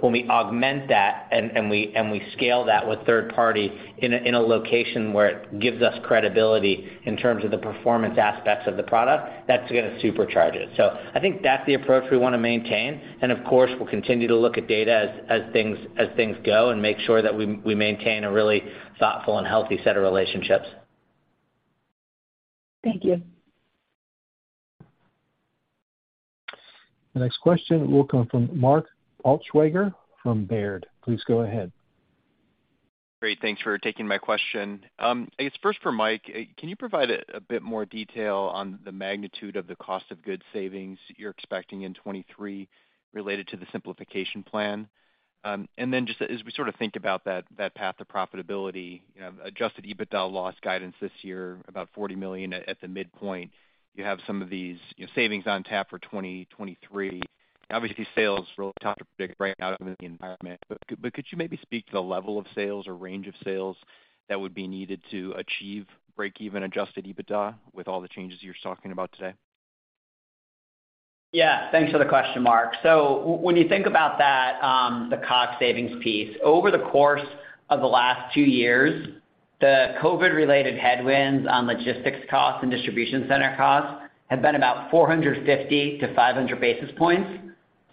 When we augment that and we scale that with third party in a location where it gives us credibility in terms of the performance aspects of the product, that's gonna supercharge it. I think that's the approach we wanna maintain. Of course, we'll continue to look at data as things go, and make sure that we maintain a really thoughtful and healthy set of relationships. Thank you. The next question will come from Mark Altschwager from Baird. Please go ahead. Great. Thanks for taking my question. I guess first for Mike, can you provide a bit more detail on the magnitude of the cost of goods savings you're expecting in 2023 related to the simplification plan? And then just as we sort of think about that path to profitability, you know, Adjusted EBITDA loss guidance this year, about $40 million at the midpoint, you have some of these, you know, savings on tap for 2023. Obviously, sales are really tough to predict right now given the environment. Could you maybe speak to the level of sales or range of sales that would be needed to achieve break-even Adjusted EBITDA with all the changes you're talking about today? Yeah. Thanks for the question, Mark. When you think about that, the COGS savings piece, over the course of the last two years, the COVID-related headwinds on logistics costs and distribution center costs have been about 450-500 basis points.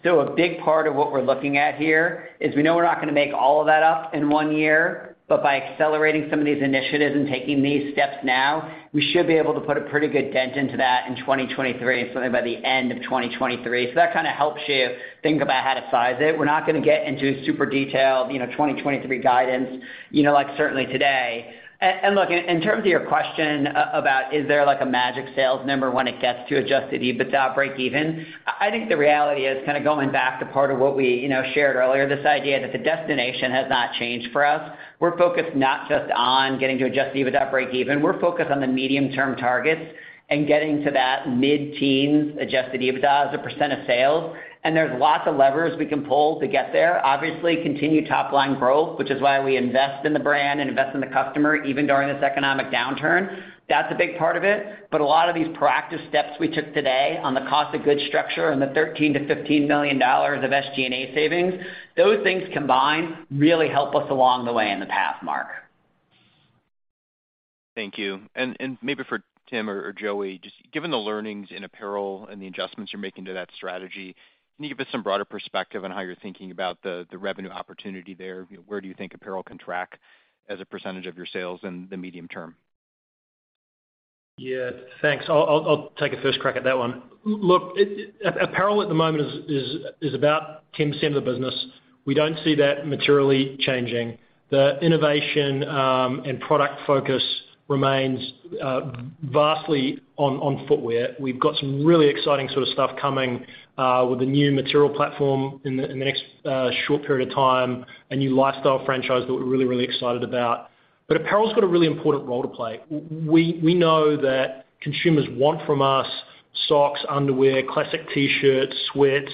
A big part of what we're looking at here is we know we're not gonna make all of that up in one year, but by accelerating some of these initiatives and taking these steps now, we should be able to put a pretty good dent into that in 2023, certainly by the end of 2023. That kind of helps you think about how to size it. We're not gonna get into super detailed, you know, 2023 guidance, you know, like certainly today. Look, in terms of your question about is there like a magic sales number when it gets to Adjusted EBITDA breakeven, I think the reality is kind of going back to part of what we, you know, shared earlier, this idea that the destination has not changed for us. We're focused not just on getting to Adjusted EBITDA breakeven. We're focused on the medium-term targets and getting to that mid-teens Adjusted EBITDA as a percent of sales. There's lots of levers we can pull to get there. Obviously, continued top line growth, which is why we invest in the brand and invest in the customer even during this economic downturn. That's a big part of it. A lot of these proactive steps we took today on the cost of goods structure and the $13 million-$15 million of SG&A savings, those things combined really help us along the way in the path, Mark. Thank you. Maybe for Tim or Joey, just given the learnings in apparel and the adjustments you're making to that strategy, can you give us some broader perspective on how you're thinking about the revenue opportunity there? You know, where do you think apparel can track as a percentage of your sales in the medium term? Yeah. Thanks. I'll take a first crack at that one. Look, Apparel at the moment is about 10% of the business. We don't see that materially changing. The innovation and product focus remains vastly on footwear. We've got some really exciting sort of stuff coming with the new material platform in the next short period of time, a new lifestyle franchise that we're really excited about. Apparel's got a really important role to play. We know that consumers want from us socks, underwear, classic T-shirts, sweats,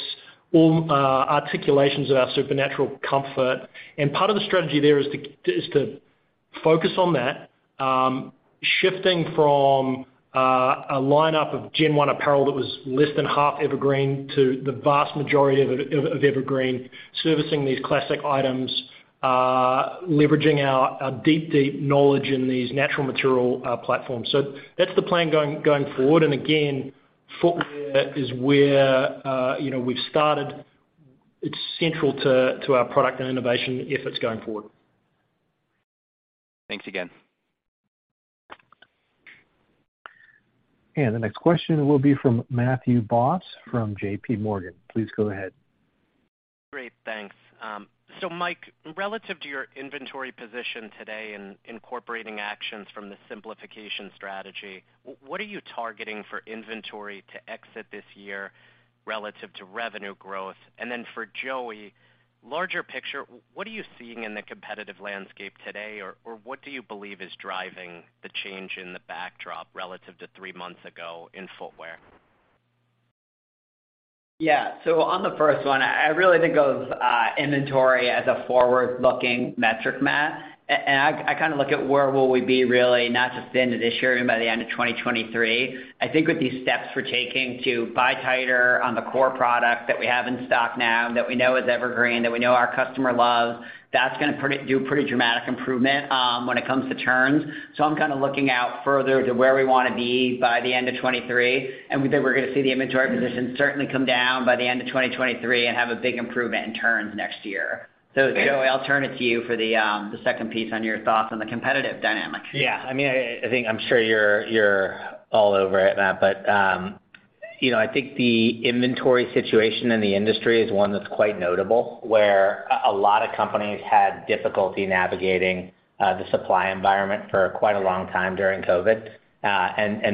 all articulations of our supernatural comfort. Part of the strategy there is to focus on that, shifting from a lineup of Gen 1 apparel that was less than half evergreen to the vast majority of evergreen, servicing these classic items, leveraging our deep knowledge in these natural material platforms. That's the plan going forward. Again, footwear is where we've started. It's central to our product and innovation efforts going forward. Thanks again. The next question will be from Matthew Boss from JPMorgan. Please go ahead. Great, thanks. So Mike, relative to your inventory position today and incorporating actions from the simplification strategy, what are you targeting for inventory to exit this year relative to revenue growth? And then for Joey, larger picture, what are you seeing in the competitive landscape today or what do you believe is driving the change in the backdrop relative to three months ago in footwear? Yeah. On the first one, I really think of inventory as a forward-looking metric, Matthew. I kinda look at where will we be really not just the end of this year and by the end of 2023. I think with these steps we're taking to buy tighter on the core product that we have in stock now that we know is evergreen, that we know our customer loves, that's gonna do pretty dramatic improvement when it comes to turns. I'm kinda looking out further to where we wanna be by the end of 2023, and we think we're gonna see the inventory position certainly come down by the end of 2023 and have a big improvement in turns next year. Joey, I'll turn it to you for the second piece on your thoughts on the competitive dynamics. Yeah. I mean, I think I'm sure you're all over it, Matt, but you know, I think the inventory situation in the industry is one that's quite notable, where a lot of companies had difficulty navigating the supply environment for quite a long time during COVID.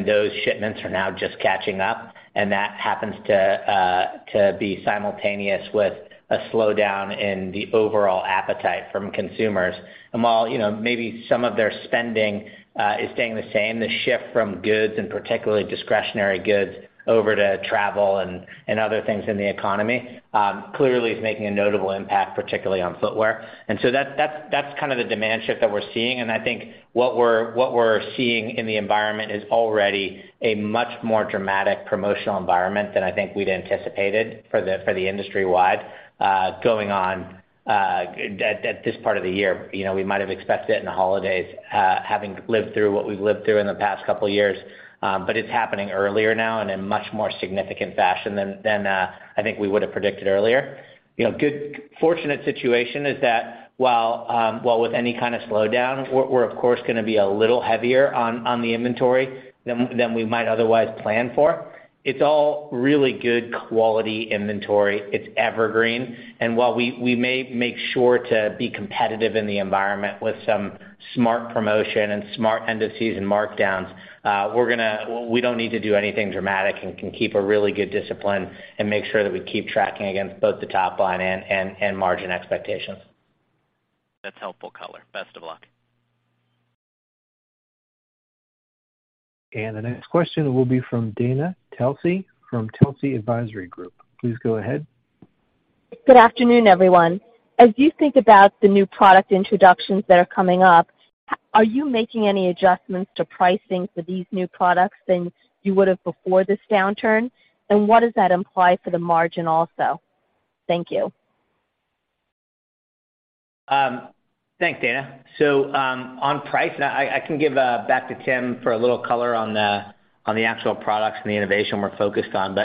Those shipments are now just catching up, and that happens to be simultaneous with a slowdown in the overall appetite from consumers. While you know, maybe some of their spending is staying the same, the shift from goods and particularly discretionary goods over to travel and other things in the economy clearly is making a notable impact, particularly on footwear. That's kind of the demand shift that we're seeing. I think what we're seeing in the environment is already a much more dramatic promotional environment than I think we'd anticipated for the industry-wide going on at this part of the year. You know, we might have expected it in the holidays, having lived through what we've lived through in the past couple years, but it's happening earlier now and in much more significant fashion than I think we would have predicted earlier. You know, good fortunate situation is that while with any kind of slowdown, we're of course gonna be a little heavier on the inventory than we might otherwise plan for. It's all really good quality inventory. It's evergreen. While we may make sure to be competitive in the environment with some smart promotion and smart end of season markdowns, we don't need to do anything dramatic and can keep a really good discipline and make sure that we keep tracking against both the top line and margin expectations. That's helpful color. Best of luck. The next question will be from Dana Telsey from Telsey Advisory Group. Please go ahead. Good afternoon, everyone. As you think about the new product introductions that are coming up, are you making any adjustments to pricing for these new products than you would have before this downturn? What does that imply for the margin also? Thank you. Thanks, Dana. On pricing, I can give back to Tim for a little color on the actual products and the innovation we're focused on.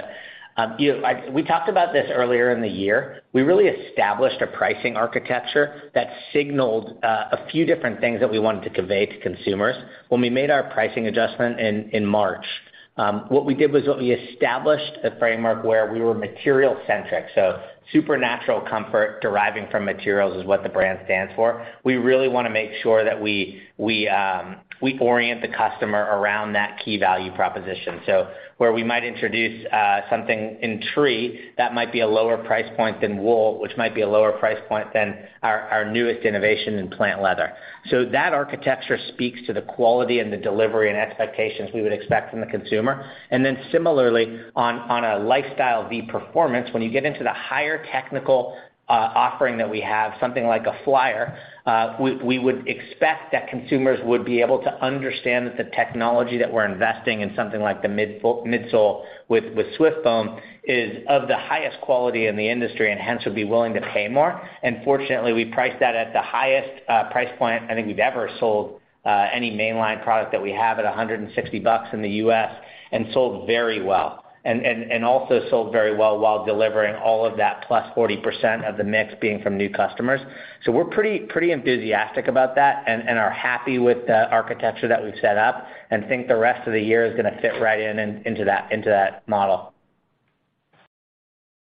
You know, we talked about this earlier in the year. We really established a pricing architecture that signaled a few different things that we wanted to convey to consumers. When we made our pricing adjustment in March, what we did was we established a framework where we were material centric. Supernatural comfort deriving from materials is what the brand stands for. We really wanna make sure that we orient the customer around that key value proposition. Where we might introduce something in Tree that might be a lower price point than Wool, which might be a lower price point than our newest innovation in Plant Leather. That architecture speaks to the quality and the delivery and expectations we would expect from the consumer. Similarly, on a lifestyle vs performance, when you get into the higher technical offering that we have something like a Flyer, we would expect that consumers would be able to understand that the technology that we're investing in something like the midsole with SwiftFoam is of the highest quality in the industry and hence would be willing to pay more. Fortunately, we priced that at the highest price point I think we've ever sold any mainline product that we have at $160 in the U.S., and sold very well and also sold very well while delivering all of that +40% of the mix being from new customers. We're pretty enthusiastic about that and are happy with the architecture that we've set up and think the rest of the year is gonna fit right into that model.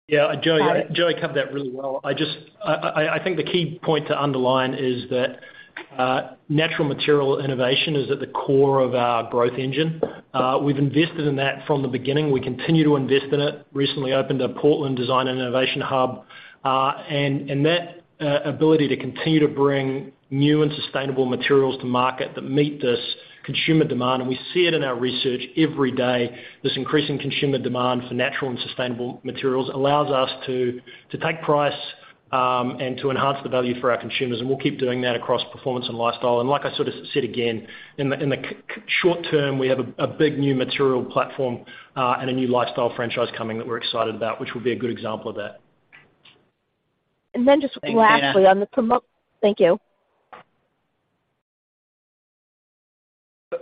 Yeah. Joey covered that really well. I think the key point to underline is that natural material innovation is at the core of our growth engine. We've invested in that from the beginning. We continue to invest in it. Recently opened a Portland design and innovation hub, and that ability to continue to bring new and sustainable materials to market that meet this consumer demand, and we see it in our research every day. This increasing consumer demand for natural and sustainable materials allows us to take price, and to enhance the value for our consumers. We'll keep doing that across performance and lifestyle. Like I sort of said again, in the short term, we have a big new material platform and a new lifestyle franchise coming that we're excited about, which will be a good example of that. Just lastly on the promo thank you.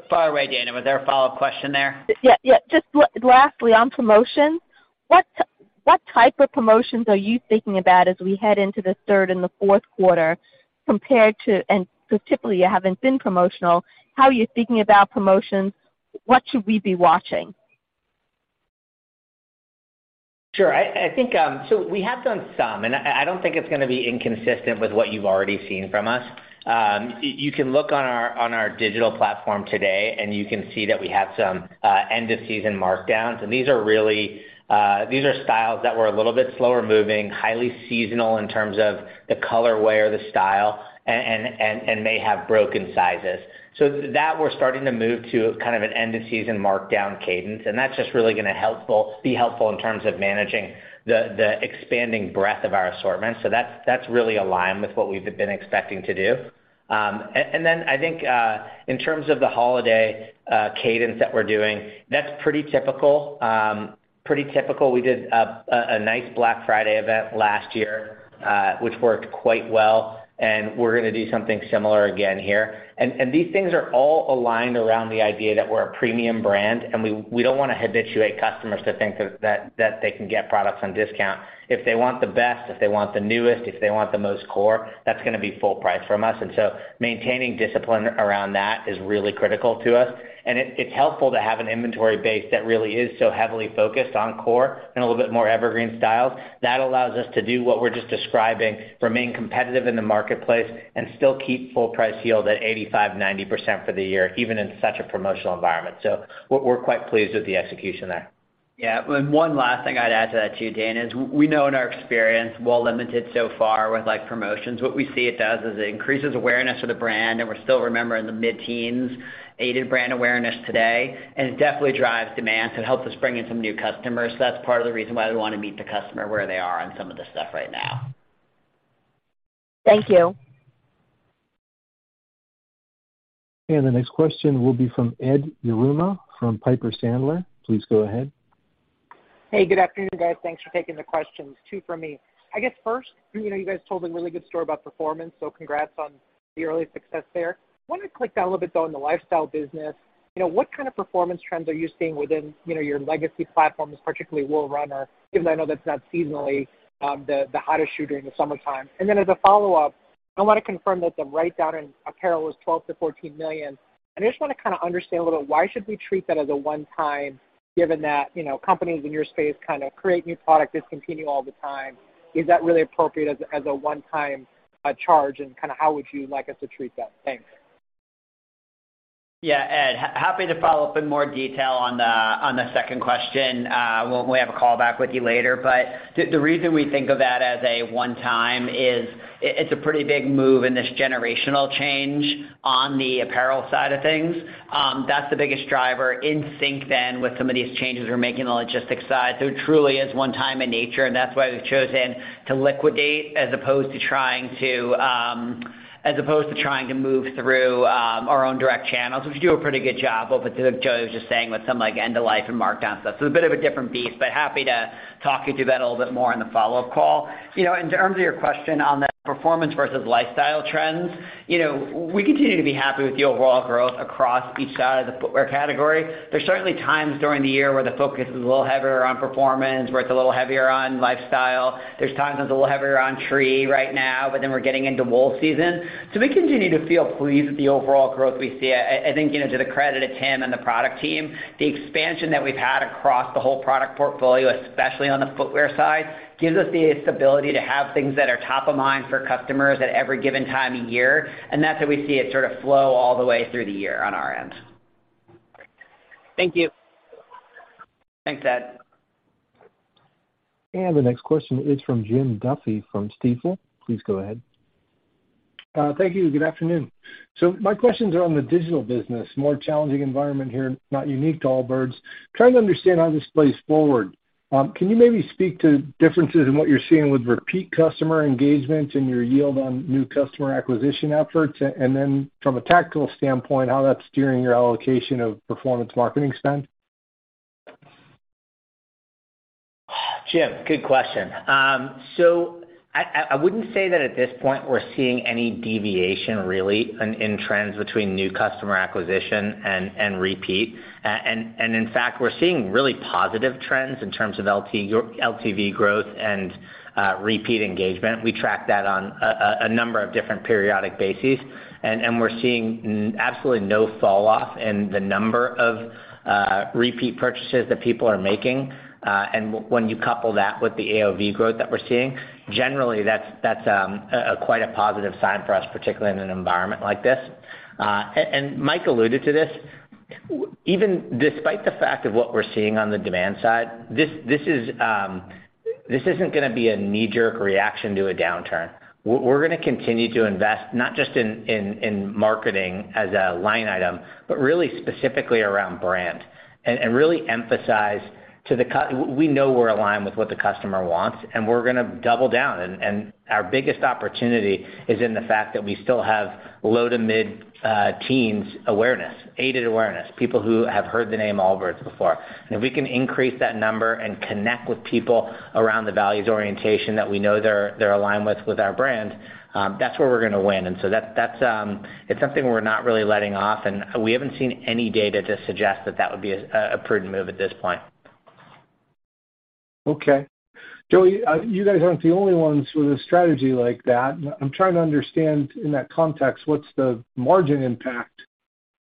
Far away, Dana. Was there a follow-up question there? Yeah, yeah. Just lastly, on promotion, what type of promotions are you thinking about as we head into the third and the fourth quarter and specifically, you haven't been promotional. How are you thinking about promotions? What should we be watching? Sure. I think we have done some, and I don't think it's gonna be inconsistent with what you've already seen from us. You can look on our digital platform today, and you can see that we have some end of season markdowns. These are really styles that were a little bit slower moving, highly seasonal in terms of the colorway, the style, and may have broken sizes. That we're starting to move to kind of an end of season markdown cadence, and that's just really gonna be helpful in terms of managing the expanding breadth of our assortment. That's really aligned with what we've been expecting to do. And then I think in terms of the holiday cadence that we're doing, that's pretty typical. We did a nice Black Friday event last year, which worked quite well, and we're gonna do something similar again here. These things are all aligned around the idea that we're a premium brand, and we don't wanna habituate customers to think that they can get products on discount. If they want the best, if they want the newest, if they want the most core, that's gonna be full price from us. Maintaining discipline around that is really critical to us. It's helpful to have an inventory base that really is so heavily focused on core and a little bit more evergreen styles. That allows us to do what we're just describing, remain competitive in the marketplace and still keep full price yield at 85%-90% for the year, even in such a promotional environment. We're quite pleased with the execution there. Yeah. One last thing I'd add to that too, Dana, is we know in our experience, while limited so far with like promotions, what we see it does is it increases awareness of the brand, and we're still remaining in the mid-teens aided brand awareness today. It definitely drives demand, so it helps us bring in some new customers. That's part of the reason why we wanna meet the customer where they are on some of this stuff right now. Thank you. The next question will be from Edward Yruma from Piper Sandler. Please go ahead. Hey, good afternoon, guys. Thanks for taking the questions. Two from me. I guess first, you know, you guys told a really good story about performance, so congrats on the early success there. Wanted to drill down a little bit though on the lifestyle business. You know, what kind of performance trends are you seeing within, you know, your legacy platforms, particularly Wool Runner, given I know that's not seasonally the hottest shoe during the summertime? As a follow-up, I wanna confirm that the write-down in apparel was $12 million-$14 million. I just wanna kinda understand a little why should we treat that as a one-time, given that, you know, companies in your space kinda create new product, discontinue all the time. Is that really appropriate as a one-time charge, and kinda how would you like us to treat that? Thanks. Yeah, Ed, happy to follow up in more detail on the second question when we have a call back with you later. The reason we think of that as a one-time is it's a pretty big move in this generational change on the apparel side of things. That's the biggest driver in sync then with some of these changes we're making on the logistics side. It truly is one time in nature, and that's why we've chosen to liquidate as opposed to trying to move through our own direct channels, which we do a pretty good job of, as Joey was just saying, with some like end of life and markdown stuff. A bit of a different beast, but happy to talk you through that a little bit more on the follow-up call. You know, in terms of your question on the performance versus lifestyle trends, you know, we continue to be happy with the overall growth across each side of the footwear category. There's certainly times during the year where the focus is a little heavier on performance, where it's a little heavier on lifestyle. There's times when it's a little heavier on Tree right now, but then we're getting into Wool season. We continue to feel pleased with the overall growth we see. I think, you know, to the credit of Tim and the product team, the expansion that we've had across the whole product portfolio, especially on the footwear side, gives us the stability to have things that are top of mind for customers at every given time of year, and that's how we see it sort of flow all the way through the year on our end. Thank you. Thanks, Ed. The next question is from Jim Duffy from Stifel. Please go ahead. Thank you. Good afternoon. My questions are on the digital business, more challenging environment here, not unique to Allbirds. Trying to understand how this plays forward. Can you maybe speak to differences in what you're seeing with repeat customer engagement and your yield on new customer acquisition efforts? And then from a tactical standpoint, how that's steering your allocation of performance marketing spend. Jim, good question. So I wouldn't say that at this point we're seeing any deviation really in trends between new customer acquisition and repeat. In fact, we're seeing really positive trends in terms of LTV growth and repeat engagement. We track that on a number of different periodic bases. We're seeing absolutely no fall off in the number of repeat purchases that people are making. When you couple that with the AOV growth that we're seeing, generally that's quite a positive sign for us, particularly in an environment like this. Mike alluded to this. Even despite the fact of what we're seeing on the demand side, this isn't gonna be a knee-jerk reaction to a downturn. We're gonna continue to invest not just in marketing as a line item, but really specifically around brand and really emphasize. We know we're aligned with what the customer wants, and we're gonna double down. Our biggest opportunity is in the fact that we still have low to mid-teens awareness, aided awareness, people who have heard the name Allbirds before. If we can increase that number and connect with people around the values orientation that we know they're aligned with our brand, that's where we're gonna win. That's something we're not really letting off, and we haven't seen any data to suggest that that would be a prudent move at this point. Okay. Joey, you guys aren't the only ones with a strategy like that. I'm trying to understand, in that context, what's the margin impact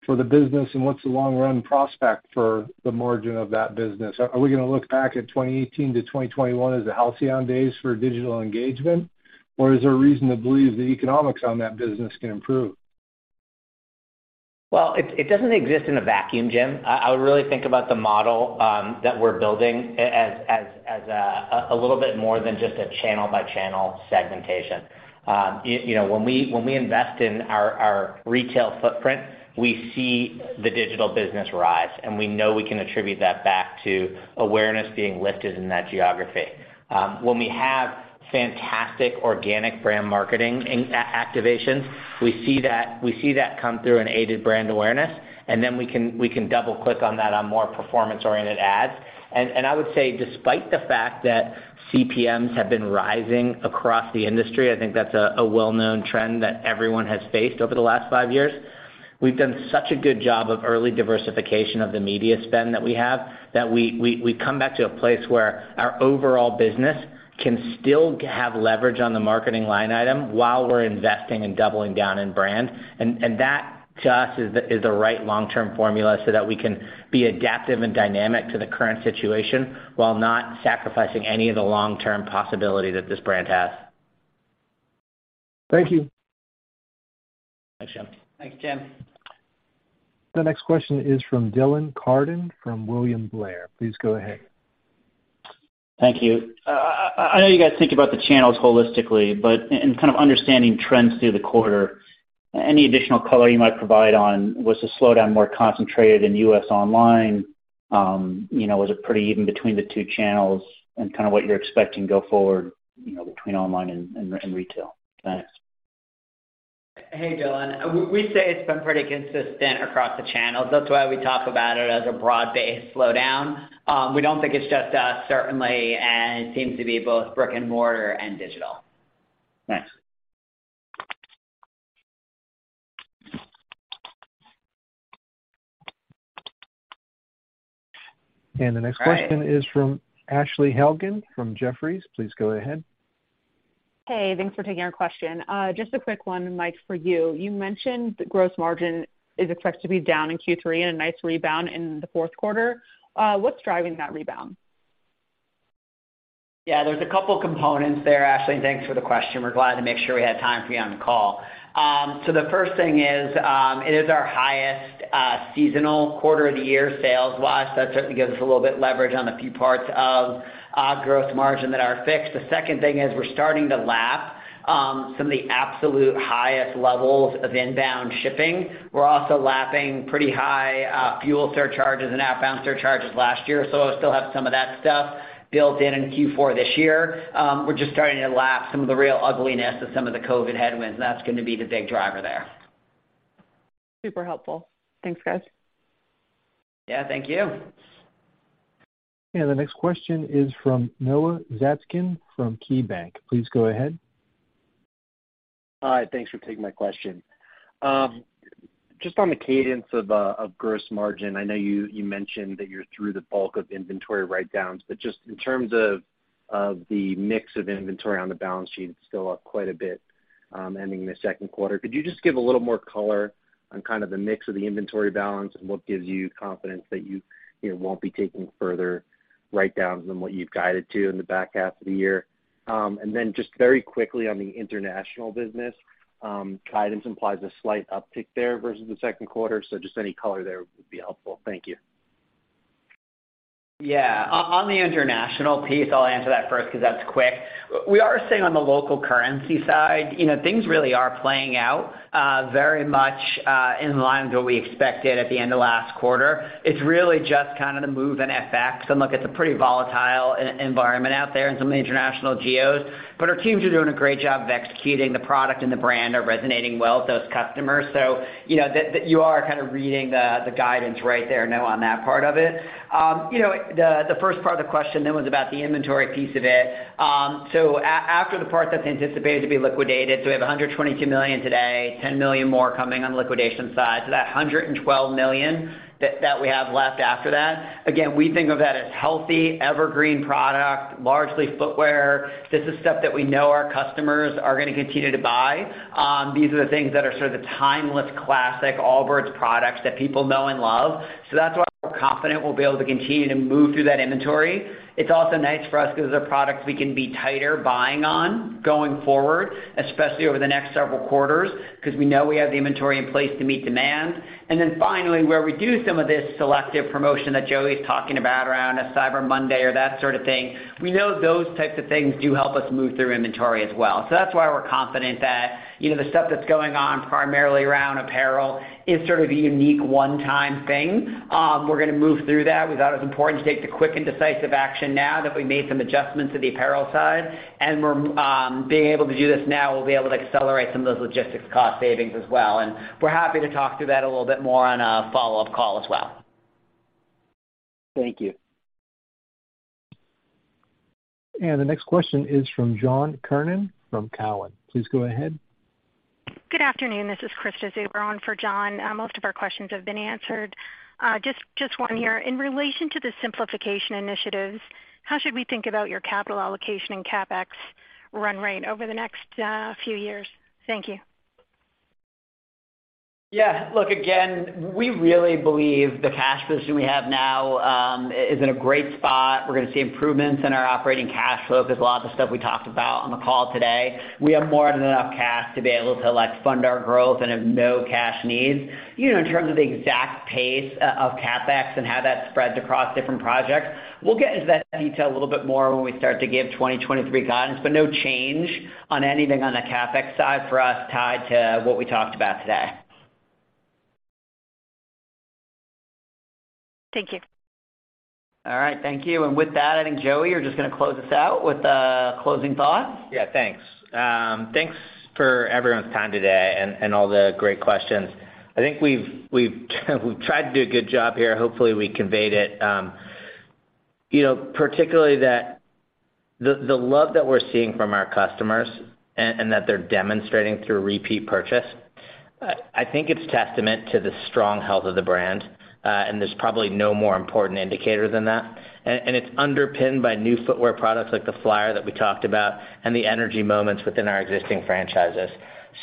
for the business and what's the long run prospect for the margin of that business? Are we gonna look back at 2018-2021 as the halcyon days for digital engagement? Or is there reason to believe the economics on that business can improve? Well, it doesn't exist in a vacuum, Jim. I would really think about the model that we're building as a little bit more than just a channel by channel segmentation. You know, when we invest in our retail footprint, we see the digital business rise, and we know we can attribute that back to awareness being lifted in that geography. When we have fantastic organic brand marketing and activation, we see that come through in aided brand awareness, and then we can double-click on that on more performance-oriented ads. I would say, despite the fact that CPMs have been rising across the industry, I think that's a well-known trend that everyone has faced over the last five years. We've done such a good job of early diversification of the media spend that we have come back to a place where our overall business can still have leverage on the marketing line item while we're investing and doubling down in brand. That, to us, is the right long-term formula so that we can be adaptive and dynamic to the current situation while not sacrificing any of the long-term possibility that this brand has. Thank you. Thanks, Jim. Thanks, Jim. The next question is from Dylan Carden from William Blair. Please go ahead. Thank you. I know you guys think about the channels holistically, but in kind of understanding trends through the quarter, any additional color you might provide on was the slowdown more concentrated in U.S. online? You know, was it pretty even between the two channels and kind of what you're expecting go forward, you know, between online and retail? Thanks. Hey, Dylan. We'd say it's been pretty consistent across the channels. That's why we talk about it as a broad-based slowdown. We don't think it's just us, certainly, and it seems to be both brick and mortar and digital. Thanks. The next question is from Ashley Helgans from Jefferies. Please go ahead. Hey, thanks for taking our question. Just a quick one, Mike, for you. You mentioned the gross margin is expected to be down in Q3 and a nice rebound in the fourth quarter. What's driving that rebound? Yeah. There's a couple components there, Ashley, and thanks for the question. We're glad to make sure we had time for you on the call. The first thing is, it is our highest seasonal quarter of the year sales-wise. That certainly gives us a little bit leverage on a few parts of gross margin that are fixed. The second thing is we're starting to lap some of the absolute highest levels of inbound shipping. We're also lapping pretty high fuel surcharges and outbound surcharges last year. We'll still have some of that stuff built in in Q4 this year. We're just starting to lap some of the real ugliness of some of the COVID headwinds. That's gonna be the big driver there. Super helpful. Thanks, guys. Yeah, thank you. The next question is from Noah Zatzkin from KeyBanc. Please go ahead. Hi. Thanks for taking my question. Just on the cadence of gross margin. I know you mentioned that you're through the bulk of inventory write-downs, but just in terms of the mix of inventory on the balance sheet, it's still up quite a bit, ending the second quarter. Could you just give a little more color on kind of the mix of the inventory balance and what gives you confidence that you know won't be taking further write-downs than what you've guided to in the back half of the year? And then just very quickly on the international business, guidance implies a slight uptick there versus the second quarter, so just any color there would be helpful. Thank you. Yeah. On the international piece, I'll answer that first 'cause that's quick. We are seeing on the local currency side, you know, things really are playing out very much in line with what we expected at the end of last quarter. It's really just kind of the move in FX. Look, it's a pretty volatile environment out there in some of the international geos, but our teams are doing a great job of executing the product, and the brand are resonating well with those customers. You know, that you are kind of reading the guidance right there, Noah, on that part of it. You know, the first part of the question then was about the inventory piece of it. After the part that's anticipated to be liquidated, we have $122 million today, $10 million more coming on liquidation side. That $112 million that we have left after that, again, we think of that as healthy, evergreen product, largely footwear. This is stuff that we know our customers are gonna continue to buy. These are the things that are sort of the timeless classic Allbirds products that people know and love. That's why we're confident we'll be able to continue to move through that inventory. It's also nice for us 'cause they're products we can be tighter buying on going forward, especially over the next several quarters, 'cause we know we have the inventory in place to meet demand. Then finally, where we do some of this selective promotion that Joey's talking about around a Cyber Monday or that sort of thing, we know those types of things do help us move through inventory as well. That's why we're confident that, you know, the stuff that's going on primarily around apparel is sort of a unique one-time thing. We're gonna move through that. We thought it was important to take the quick and decisive action now that we made some adjustments to the apparel side. We're being able to do this now, we'll be able to accelerate some of those logistics cost savings as well. We're happy to talk through that a little bit more on a follow-up call as well. Thank you. The next question is from John Kernan from Cowen. Please go ahead. Good afternoon. This is Krista Zuber on for John. Most of our questions have been answered. Just one here. In relation to the simplification initiatives, how should we think about your capital allocation and CapEx run rate over the next few years? Thank you. Yeah. Look, again, we really believe the cash position we have now is in a great spot. We're gonna see improvements in our operating cash flow. There's a lot of stuff we talked about on the call today. We have more than enough cash to be able to, like, fund our growth and have no cash needs. You know, in terms of the exact pace of CapEx and how that spreads across different projects, we'll get into that detail a little bit more when we start to give 2023 guidance, but no change on anything on the CapEx side for us tied to what we talked about today. Thank you. All right. Thank you. With that, I think, Joey, you're just gonna close us out with closing thoughts. Yeah, thanks. Thanks for everyone's time today and all the great questions. I think we've tried to do a good job here. Hopefully, we conveyed it. You know, particularly the love that we're seeing from our customers and that they're demonstrating through repeat purchase. I think it's testament to the strong health of the brand. There's probably no more important indicator than that. It's underpinned by new footwear products like the Flyer that we talked about and the energy moments within our existing franchises.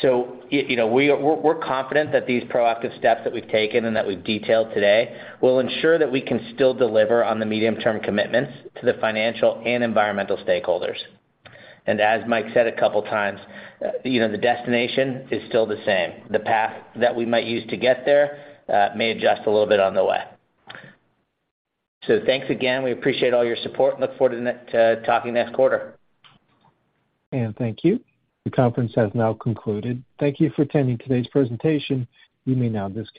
You know, we're confident that these proactive steps that we've taken and that we've detailed today will ensure that we can still deliver on the medium-term commitments to the financial and environmental stakeholders. As Mike said a couple times, you know, the destination is still the same. The path that we might use to get there may adjust a little bit on the way. Thanks again. We appreciate all your support and look forward to talking next quarter. Thank you. The conference has now concluded. Thank you for attending today's presentation. You may now disconnect.